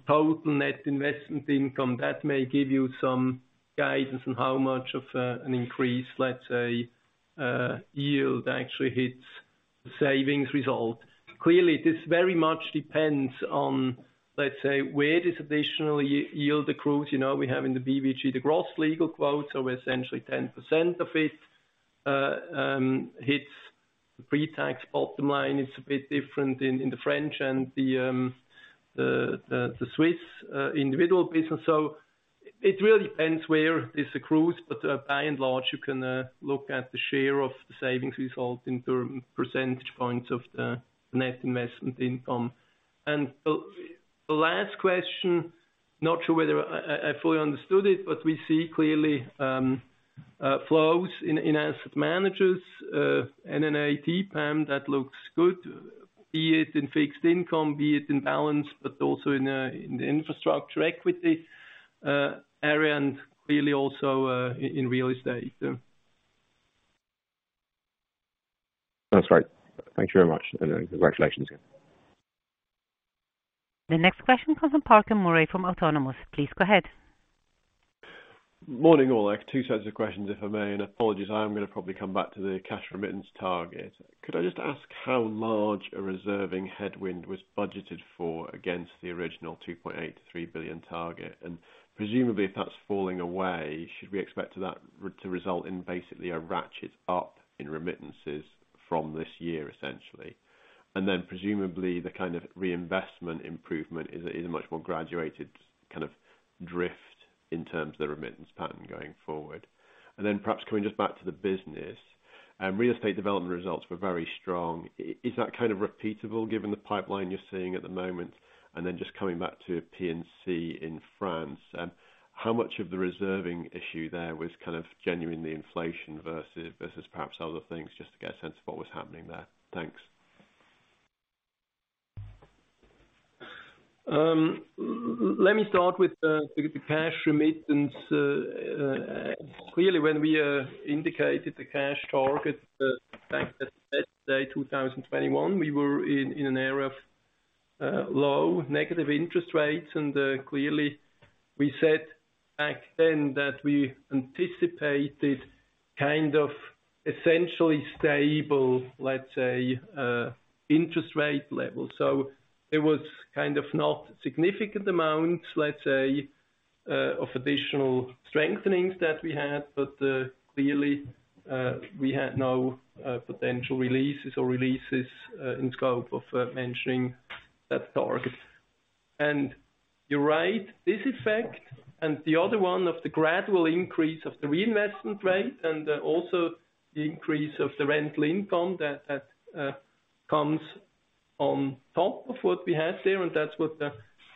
total net investment income, that may give you some guidance on how much of an increase, let's say, yield actually hits the savings result. Clearly, this very much depends on, let's say, where this additional yield accrues. You know, we have in the BVG, the gross legal quotes are essentially 10% of it hits the pre-tax bottom line. It's a bit different in the French and the Swiss individual business. It really depends where this accrues, but by and large, you can look at the share of the savings result in term percentage points of the net investment income. The last question, not sure whether I fully understood it, but we see clearly flows in Asset Managers, NNIT, PAM, that looks good, be it in fixed income, be it in balance, but also in the infrastructure equity area and clearly also in real estate. That's right. Thank you very much and congratulations. The next question comes from Farquhar Murray from Autonomous. Please go ahead. Morning, all. I have two sets of questions, if I may. Apologies, I am gonna probably come back to the cash remittance target. Could I just ask how large a reserving headwind was budgeted for against the original 2.8 billion-3 billion target? Presumably, if that's falling away, should we expect that result in basically a ratchet up in remittances from this year, essentially? Presumably, the kind of reinvestment improvement is a much more graduated kind of drift in terms of the remittance pattern going forward. Perhaps coming just back to the business, real estate development results were very strong. Is that kind of repeatable given the pipeline you're seeing at the moment? Just coming back to P&C in France, how much of the reserving issue there was kind of genuinely inflation versus perhaps other things, just to get a sense of what was happening there? Thanks. Let me start with the cash remittance. Clearly, when we indicated the cash target back at let's say 2021, we were in an era of low negative interest rates. Clearly we said back then that we anticipated kind of essentially stable, let's say, interest rate level. It was kind of not significant amounts, let's say, of additional strengthenings that we had, but clearly we had no potential releases or releases in scope of mentioning that target. You're right, this effect and the other one of the gradual increase of the reinvestment rate and also the increase of the rental income that, comes on top of what we had there, and that's what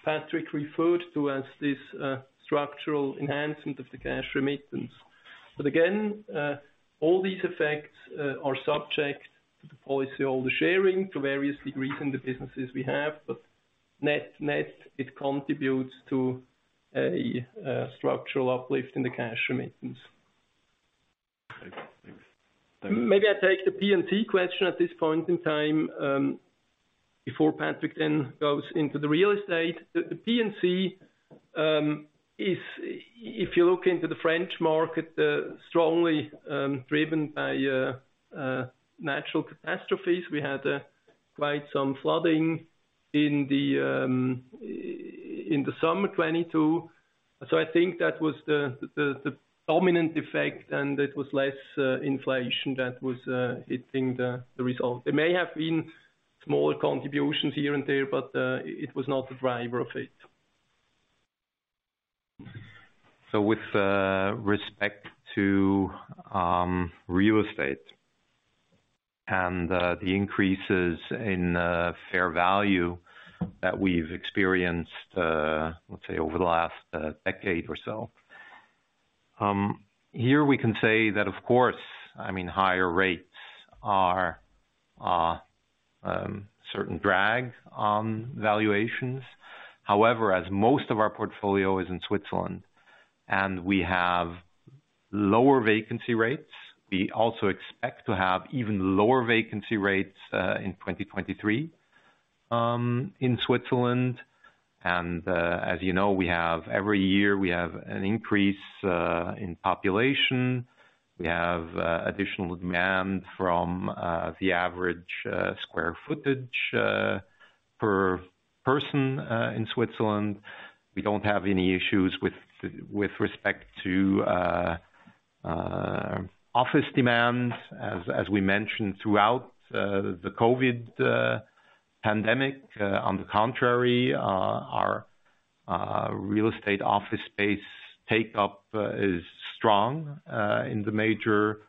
Patrick referred to as this structural enhancement of the cash remittance. Again, all these effects are subject to the policyholder sharing to various degrees in the businesses we have. Net, it contributes to a structural uplift in the cash remittance. Okay. Thanks. Maybe I take the P&C question at this point in time, before Patrick then goes into the real estate. The P&C, if you look into the French market, strongly driven by natural catastrophes. We had quite some flooding in the summer 2022. I think that was the dominant effect, and it was less inflation that was hitting the result. There may have been small contributions here and there, but it was not the driver of it. With respect to real estate and the increases in fair value that we've experienced, let's say over the last decade or so. Here we can say that, of course, I mean, higher rates are certain drag on valuations. However, as most of our portfolio is in Switzerland and we have lower vacancy rates, we also expect to have even lower vacancy rates in 2023 in Switzerland. As you know, we have every year, we have an increase in population. We have additional demand from the average square footage per person in Switzerland. We don't have any issues with respect to office demand as we mentioned throughout the COVID pandemic. On the contrary, our real estate office space take up is strong in the major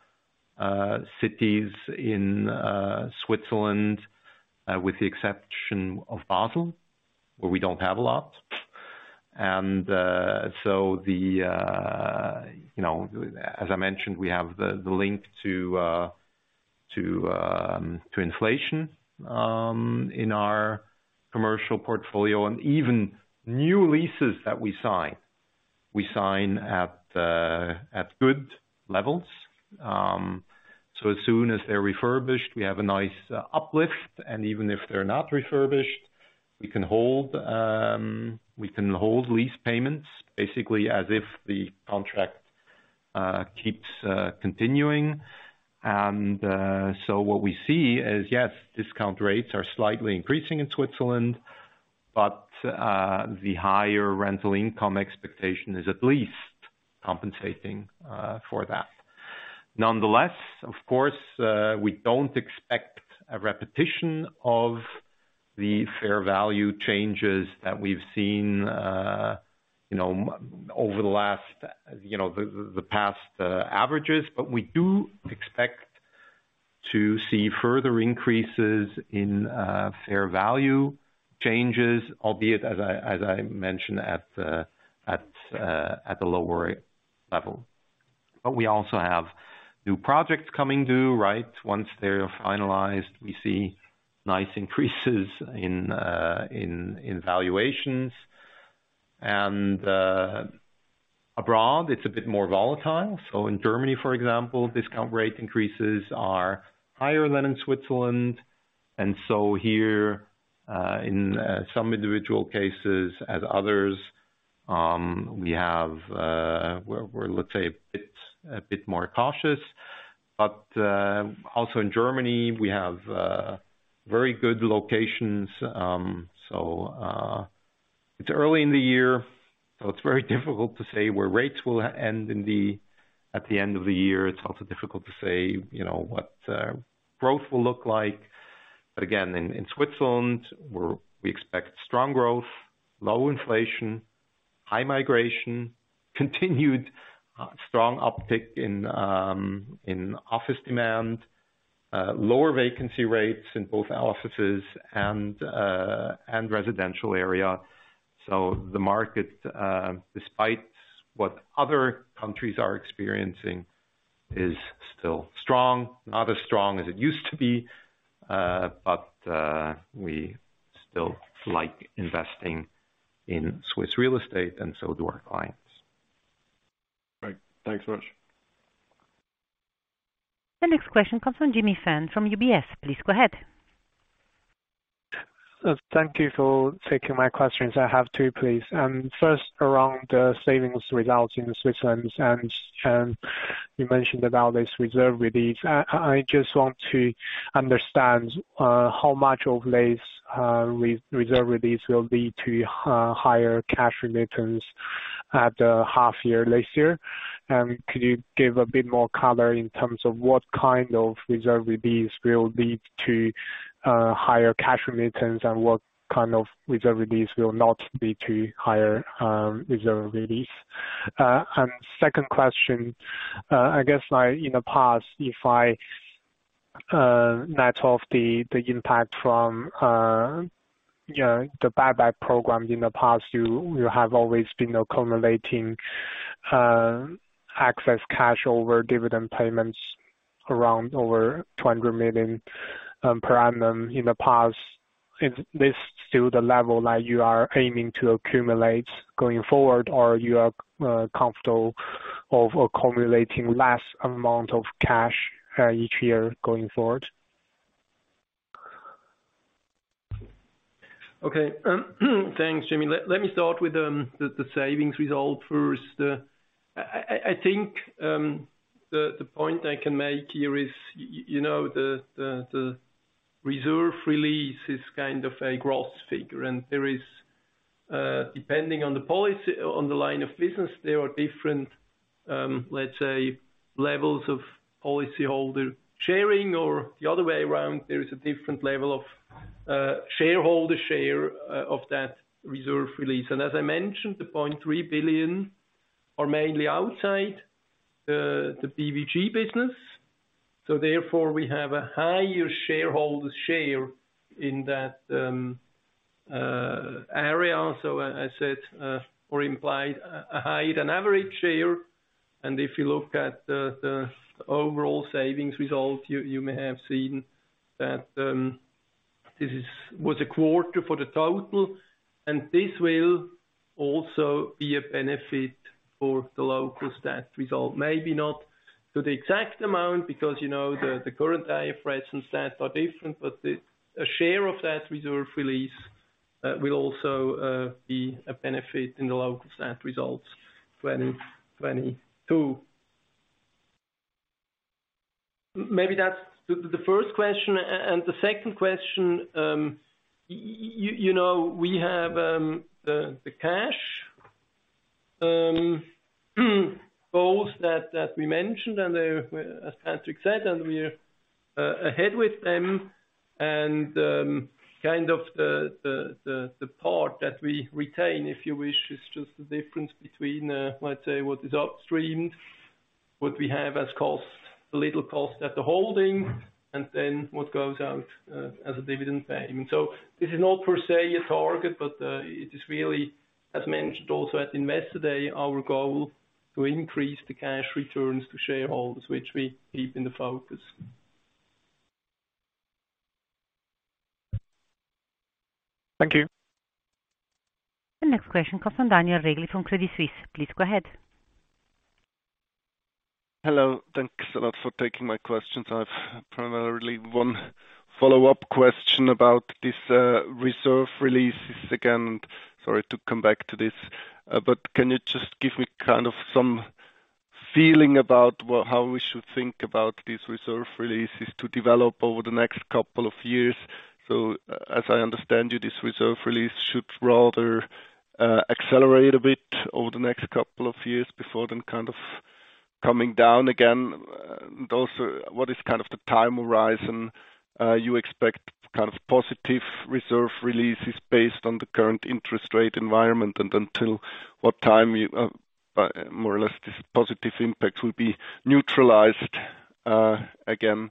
cities in Switzerland, with the exception of Basel, where we don't have a lot. You know, as I mentioned, we have the link to inflation in our commercial portfolio and even new leases that we sign, we sign at good levels. As soon as they're refurbished, we have a nice uplift, and even if they're not refurbished, we can hold lease payments, basically as if the contract keeps continuing. What we see is, yes, discount rates are slightly increasing in Switzerland, but the higher rental income expectation is at least compensating for that. Nonetheless, of course, we don't expect a repetition of the fair value changes that we've seen over the last, the past averages. We do expect to see further increases in fair value changes, albeit as I mentioned, at the lower level. We also have new projects coming due, right? Once they're finalized, we see nice increases in valuations. Abroad it's a bit more volatile. In Germany, for example, discount rate increases are higher than in Switzerland. Here, in some individual cases as others, we have, we're, let's say a bit more cautious. Also in Germany we have very good locations. It's early in the year, it's very difficult to say where rates will end at the end of the year. It's also difficult to say, you know, what growth will look like. Again, in Switzerland, we expect strong growth, low inflation, high migration, continued strong uptick in office demand, lower vacancy rates in both our offices and residential area. The market, despite what other countries are experiencing, is still strong. Not as strong as it used to be, we still like investing in Swiss real estate, and so do our clients. Great. Thanks so much. The next question comes from Jimmy Fan from UBS. Please go ahead. Thank you for taking my questions. I have two, please. First around the savings results in Switzerland and you mentioned about this reserve release. I just want to understand how much of this reserve release will lead to higher cash remittance at the half year last year. Could you give a bit more color in terms of what kind of reserve release will lead to higher cash remittance, and what kind of reserve release will not lead to higher reserve release? Second question, I guess, like in the past if I net off the impact from, you know, the buyback program in the past you have always been accumulating excess cash over dividend payments around over 200 million per annum in the past. Is this still the level that you are aiming to accumulate going forward? You are comfortable over accumulating less amount of cash each year going forward? Okay. Thanks, Jimmy. Let me start with the savings result first. I think the point I can make here is, you know, the reserve release is kind of a gross figure, and there is, depending on the line of business, there are different, let's say, levels of policyholder sharing or the other way around. There is a different level of shareholder share of that reserve release. As I mentioned, the 300 million are mainly outside the BVG business. We have a higher shareholder share in that area. As I said, or implied a higher than average share. If you look at the overall savings result, you may have seen that this was a quarter for the total, and this will also be a benefit for the local stat result. Maybe not to the exact amount because, you know, the current IFRS and stats are different, but a share of that reserve release will also be a benefit in the local stat results 2022. Maybe that's the first question. The second question, you know, we have the cash goals that we mentioned, and they're, as Patrick said, and we're ahead with them. kind of the part that we retain, if you wish, is just the difference between, let's say what is upstream, what we have as cost, the little cost at the holding, and then what goes out as a dividend payment. This is not per se a target, but it is really as mentioned also at Investor Day, our goal to increase the cash returns to shareholders, which we keep in the focus. Thank you. The next question comes from Daniel Regli from Credit Suisse. Please go ahead. Hello. Thanks a lot for taking my questions. I've primarily one follow-up question about this reserve releases again. Sorry to come back to this. Can you just give me kind of some feeling about how we should think about these reserve releases to develop over the next couple of years. As I understand you, this reserve release should rather accelerate a bit over the next couple of years before then kind of coming down again. What is kind of the time horizon you expect kind of positive reserve releases based on the current interest rate environment and until what time you more or less this positive impact will be neutralized again?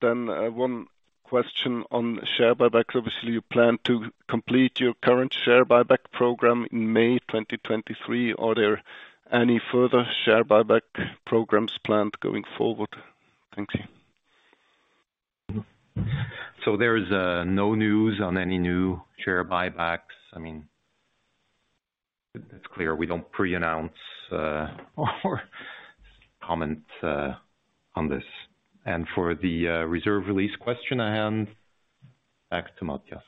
One question on share buybacks. Obviously, you plan to complete your current share buyback program in May 2023. Are there any further share buyback programs planned going forward? Thank you. There is no news on any new share buybacks. I mean, that's clear. We don't pre-announce or comment on this. For the reserve release question, I hand back to Matthias.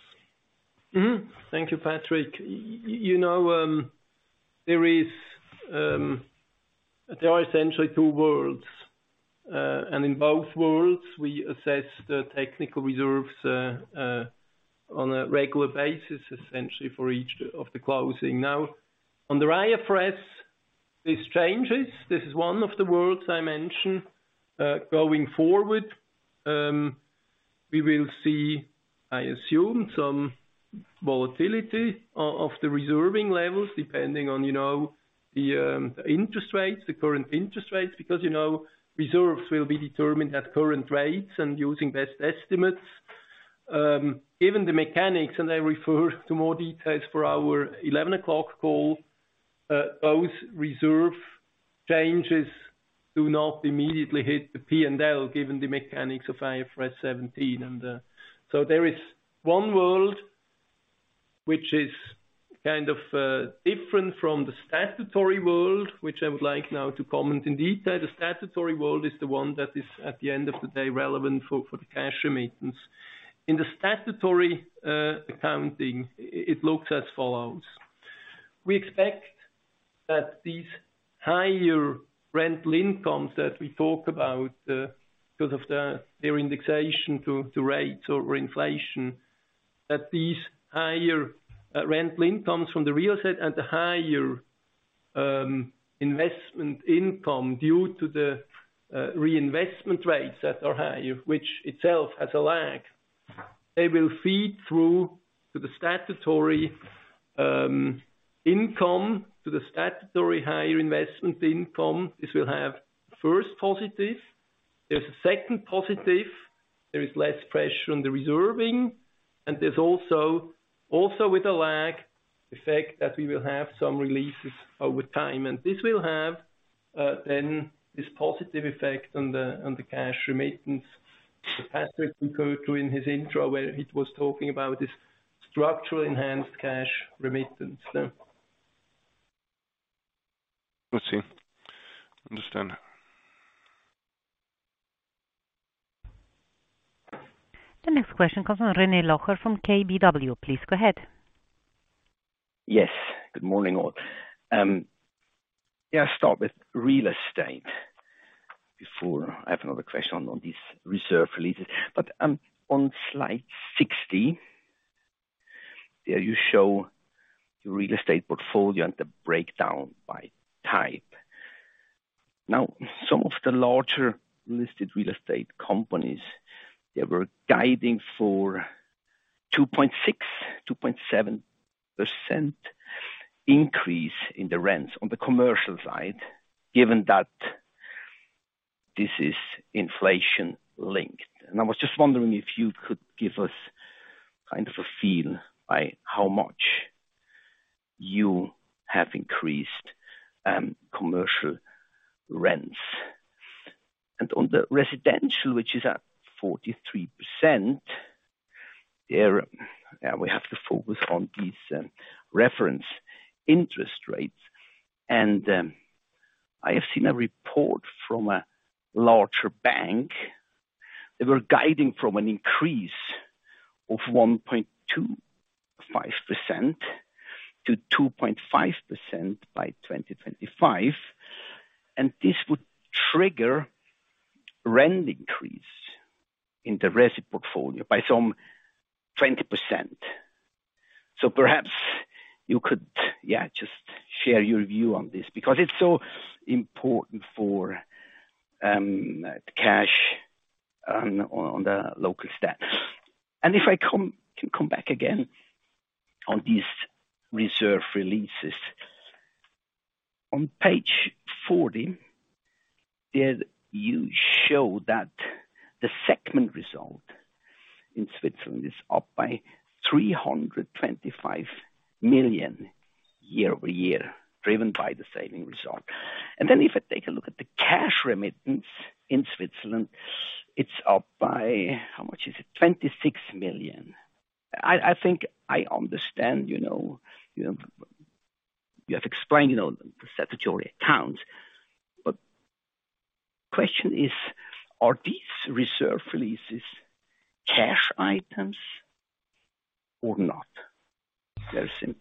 Thank you, Patrick. You know, there are essentially two worlds. In both worlds we assess the technical reserves on a regular basis, essentially for each of the closing. Now, under IFRS, this changes. This is one of the worlds I mentioned. Going forward, we will see, I assume, some volatility of the reserving levels depending on, you know, the interest rates, the current interest rates, because, you know, reserves will be determined at current rates and using best estimates. Even the mechanics, I refer to more details for our 11:00 call, those reserve changes do not immediately hit the P&L given the mechanics of IFRS 17. There is one world which is kind of different from the statutory world, which I would like now to comment in detail. The statutory world is the one that is, at the end of the day, relevant for the cash remittance. In the statutory accounting, it looks as follows: We expect that these higher rental incomes that we talk about because of their indexation to rates over inflation, that these higher rental incomes from the real estate and the higher investment income due to the reinvestment rates that are higher, which itself has a lag. They will feed through to the statutory income, to the statutory higher investment income. This will have first positive. There's a second positive. There is less pressure on the reserving, and there's also with a lag effect that we will have some releases over time. This will have, then this positive effect on the cash remittance that Patrick went through in his intro, where he was talking about this structural enhanced cash remittance then. Let's see. Understand. The next question comes from René Locher from KBW. Please go ahead. Yes. Good morning, all. Start with real estate before I have another question on these reserve releases. On slide 60, there you show your real estate portfolio and the breakdown by type. Now, some of the larger listed real estate companies, they were guiding for 2.6%-2.7% increase in the rents on the commercial side, given that this is inflation linked. I was just wondering if you could give us kind of a feel by how much you have increased, commercial rents. On the residential, which is at 43%, there, we have to focus on these, reference interest rate. I have seen a report from a larger bank. They were guiding from an increase of 1.25% to 2.5% by 2025. This would trigger rent increase in the resi portfolio by some 20%. Perhaps you could just share your view on this because it's so important for cash on the local stat. If I can come back again on these reserve releases. On page 40, there you show that the segment result in Switzerland is up by 325 million year-over-year, driven by the saving result. If I take a look at the cash remittance in Switzerland, it's up by, how much is it? 26 million. I think I understand, you know, you have explained, you know, the statutory accounts, but question is, are these reserve releases cash items or not? Very simple.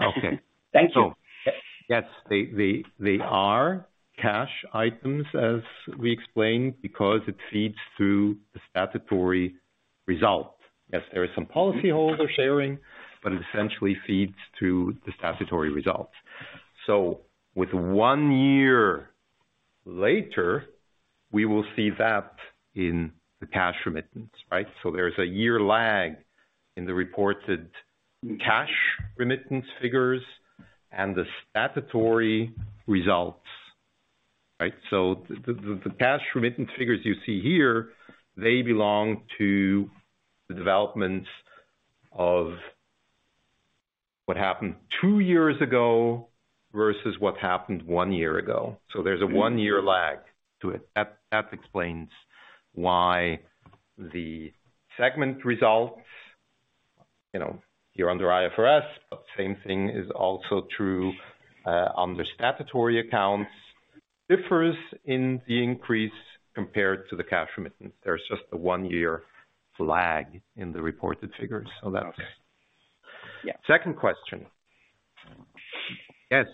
Okay. Thank you. Yes, they are cash items, as we explained, because it feeds through the statutory result. Yes, there is some policyholder sharing, but it essentially feeds through the statutory results. With one year later, we will see that in the cash remittance, right? There's a year lag in the reported cash remittance figures and the statutory results, right? The cash remittance figures you see here, they belong to the developments of what happened two years ago versus what happened one year ago. There's a one-year lag to it. That explains why the segment results, you know, here under IFRS, but same thing is also true under statutory accounts, differs in the increase compared to the cash remittance. There's just a one-year lag in the reported figures. That's. Okay. Yeah. Second question. Yes.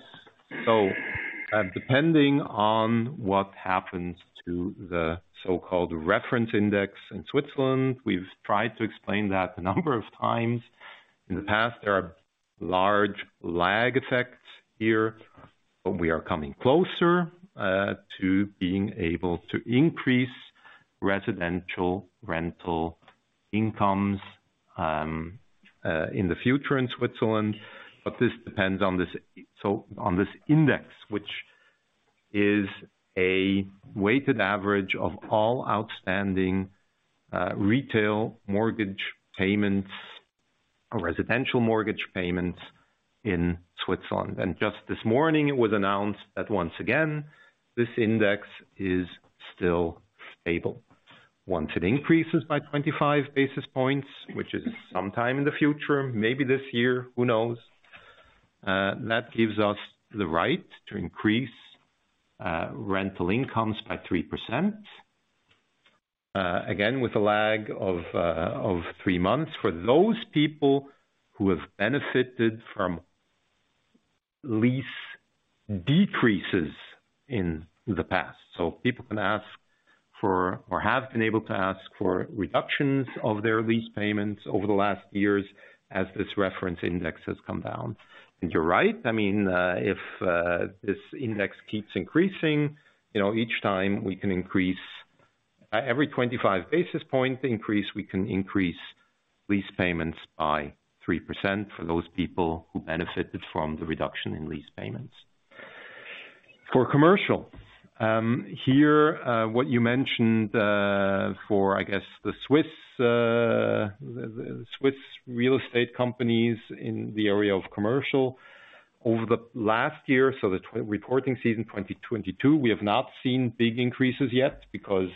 Depending on what happens to the so-called reference index in Switzerland, we've tried to explain that a number of times. In the past, there are large lag effects here, but we are coming closer to being able to increase residential rental incomes in the future in Switzerland. This depends on this, so on this index, which is a weighted average of all outstanding retail mortgage payments or residential mortgage payments in Switzerland. Just this morning it was announced that once again, this index is still stable. Once it increases by 25 basis points, which is sometime in the future, maybe this year, who knows? That gives us the right to increase rental incomes by 3%, again, with a lag of three months for those people who have benefited from lease decreases in the past. People can ask for, or have been able to ask for reductions of their lease payments over the last years as this reference index has come down. You're right. I mean, if this index keeps increasing, you know, each time we can increase. At every 25 basis point increase, we can increase lease payments by 3% for those people who benefited from the reduction in lease payments. For commercial, here, what you mentioned, for I guess the Swiss, the Swiss real estate companies in the area of commercial over the last year, so the reporting season 2022, we have not seen big increases yet because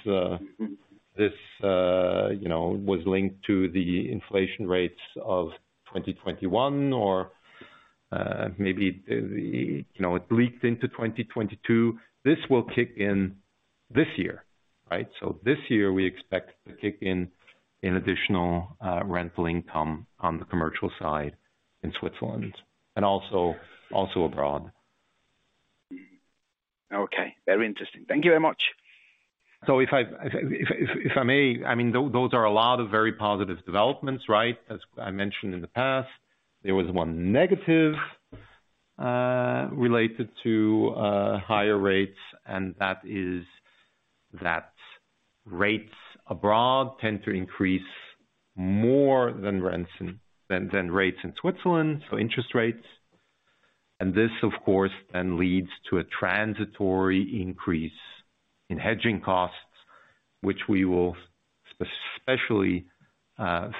this, you know, was linked to the inflation rates of 2021 or, maybe, you know, it leaked into 2022. This will kick in this year, right? This year we expect to kick in an additional rental income on the commercial side in Switzerland and also abroad. Okay. Very interesting. Thank you very much. If I may, I mean, those are a lot of very positive developments, right? As I mentioned in the past, there was one negative related to higher rates, and That rates abroad tend to increase more than rents than rates in Switzerland, so interest rates. This of course then leads to a transitory increase in hedging costs, which we will especially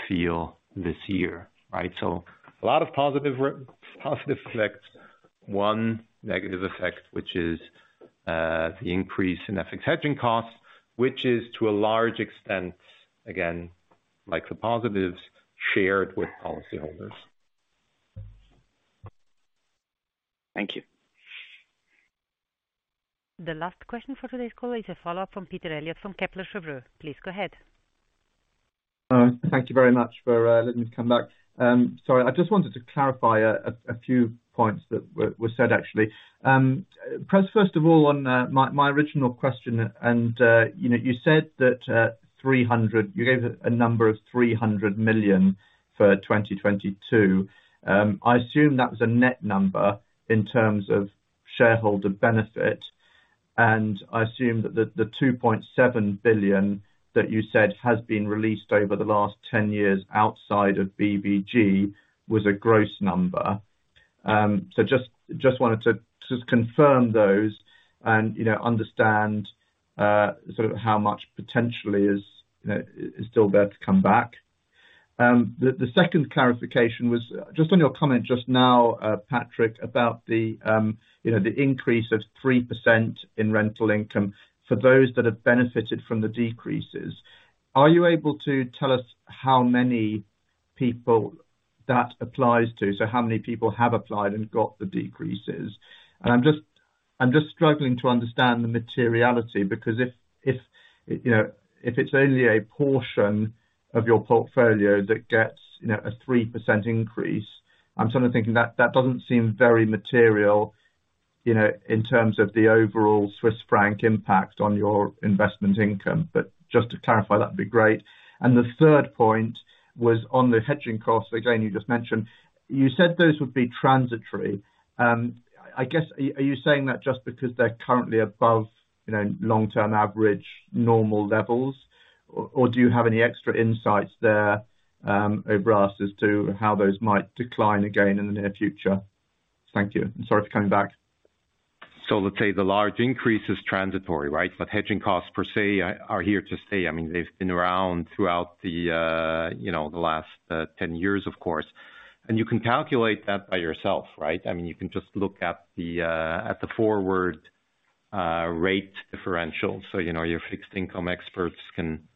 feel this year, right? A lot of positive effects. One negative effect, which is the increase in FX hedging costs, which is to a large extent, again, like the positives shared with policyholders. Thank you. The last question for today's call is a follow-up from Peter Eliot from Kepler Cheuvreux. Please go ahead. Thank you very much for letting me come back. Sorry, I just wanted to clarify a few points that were said, actually. First of all, on my original question and you said that You gave a number of 300 million for 2022. I assume that was a net number in terms of shareholder benefit. I assume that the 2.7 billion that you said has been released over the last 10 years outside of BVG was a gross number. Just wanted to confirm those and, you know, understand sort of how much potentially is still there to come back. The second clarification was just on your comment just now, Patrick, about the, you know, the increase of 3% in rental income for those that have benefited from the decreases. Are you able to tell us how many people that applies to? How many people have applied and got the decreases? I'm just struggling to understand the materiality, because if, you know, if it's only a portion of your portfolio that gets, you know, a 3% increase, I'm sort of thinking that doesn't seem very material, you know, in terms of the overall Swiss Franc impact on your investment income. Just to clarify, that'd be great. The third point was on the hedging costs. Again, you just mentioned, you said those would be transitory. I guess, are you saying that just because they're currently above, you know, long-term average normal levels? Do you have any extra insights there, over us as to how those might decline again in the near future? Thank you. Sorry for coming back. Let's say the large increase is transitory, right? Hedging costs per se are here to stay. I mean, they've been around throughout the, you know, the last, 10 years, of course. You can calculate that by yourself, right? I mean, you can just look at the, at the forward, rate differential. You know, your fixed income experts can,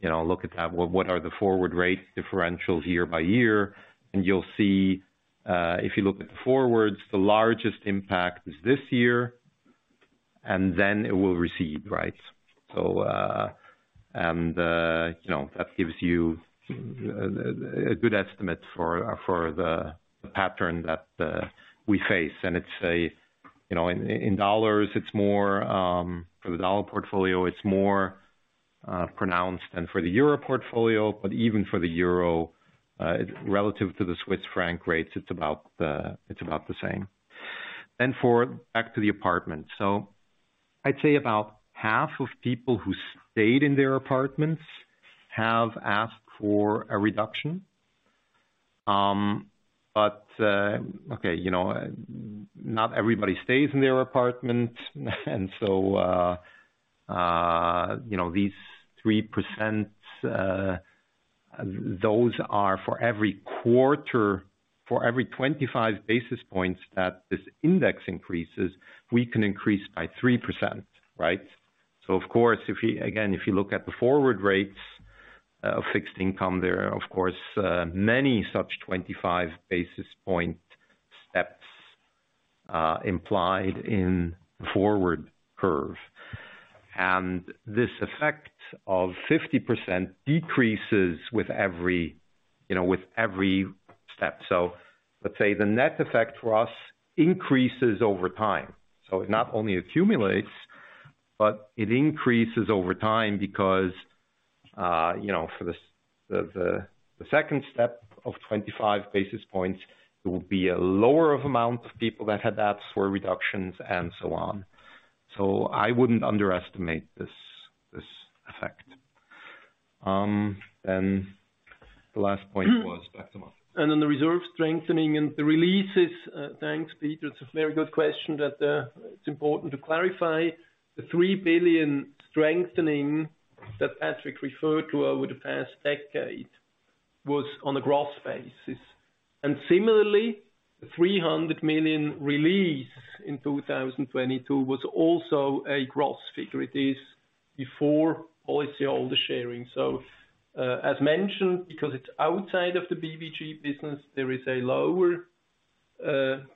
you know, look at that. Well, what are the forward rate differentials year by year? You'll see, if you look at the forwards, the largest impact is this year, and then it will recede, right? You know, that gives you a good estimate for the pattern that, we face. It's a, you know, in dollars it's more, for the dollar portfolio, it's more, pronounced than for the euro portfolio. Even for the EUR, relative to the Swiss Franc rates, it's about the same. For back to the apartment. I'd say about half of people who stayed in their apartments have asked for a reduction. Okay, you know, not everybody stays in their apartment. You know, these 3%, those are for every quarter, for every 25 basis points that this index increases, we can increase by 3%, right? Of course, again, if you look at the forward rates of fixed income, there are of course, many such 25 basis point steps implied in the forward curve. This effect of 50% decreases with every, you know, with every step. Let's say the net effect for us increases over time. It not only accumulates, but it increases over time because, you know, for the, the second step of 25 basis points, it will be a lower of amount of people that had asked for reductions and so on. I wouldn't underestimate this effect. And the last point was back to Matthias. The reserve strengthening and the releases, thanks, Peter. It's a very good question that it's important to clarify. The 3 billion strengthening that Patrick referred to over the past decade was on a gross basis. The 300 million release in 2022 was also a gross figure. It is before policyholder sharing. As mentioned, because it's outside of the BVG business, there is a lower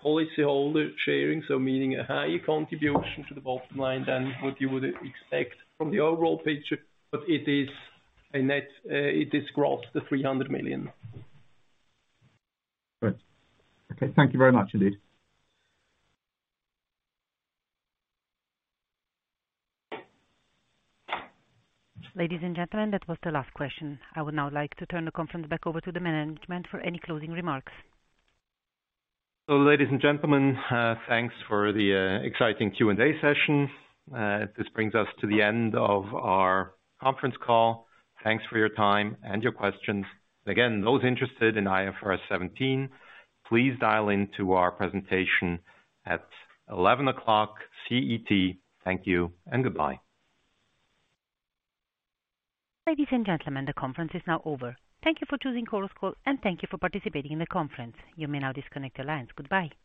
policyholder sharing, meaning a higher contribution to the bottom line than what you would expect from the overall picture. It is gross, the 300 million. Great. Okay, thank you very much indeed. Ladies and gentlemen, that was the last question. I would now like to turn the conference back over to the management for any closing remarks. Ladies and gentlemen, thanks for the exciting Q&A session. This brings us to the end of our conference call. Thanks for your time and your questions. Again, those interested in IFRS 17, please dial into our presentation at 11:00 A.M. CET. Thank you and goodbye. Ladies and gentlemen, the conference is now over. Thank you for choosing Chorus Call, and thank you for participating in the conference. You may now disconnect your lines. Goodbye.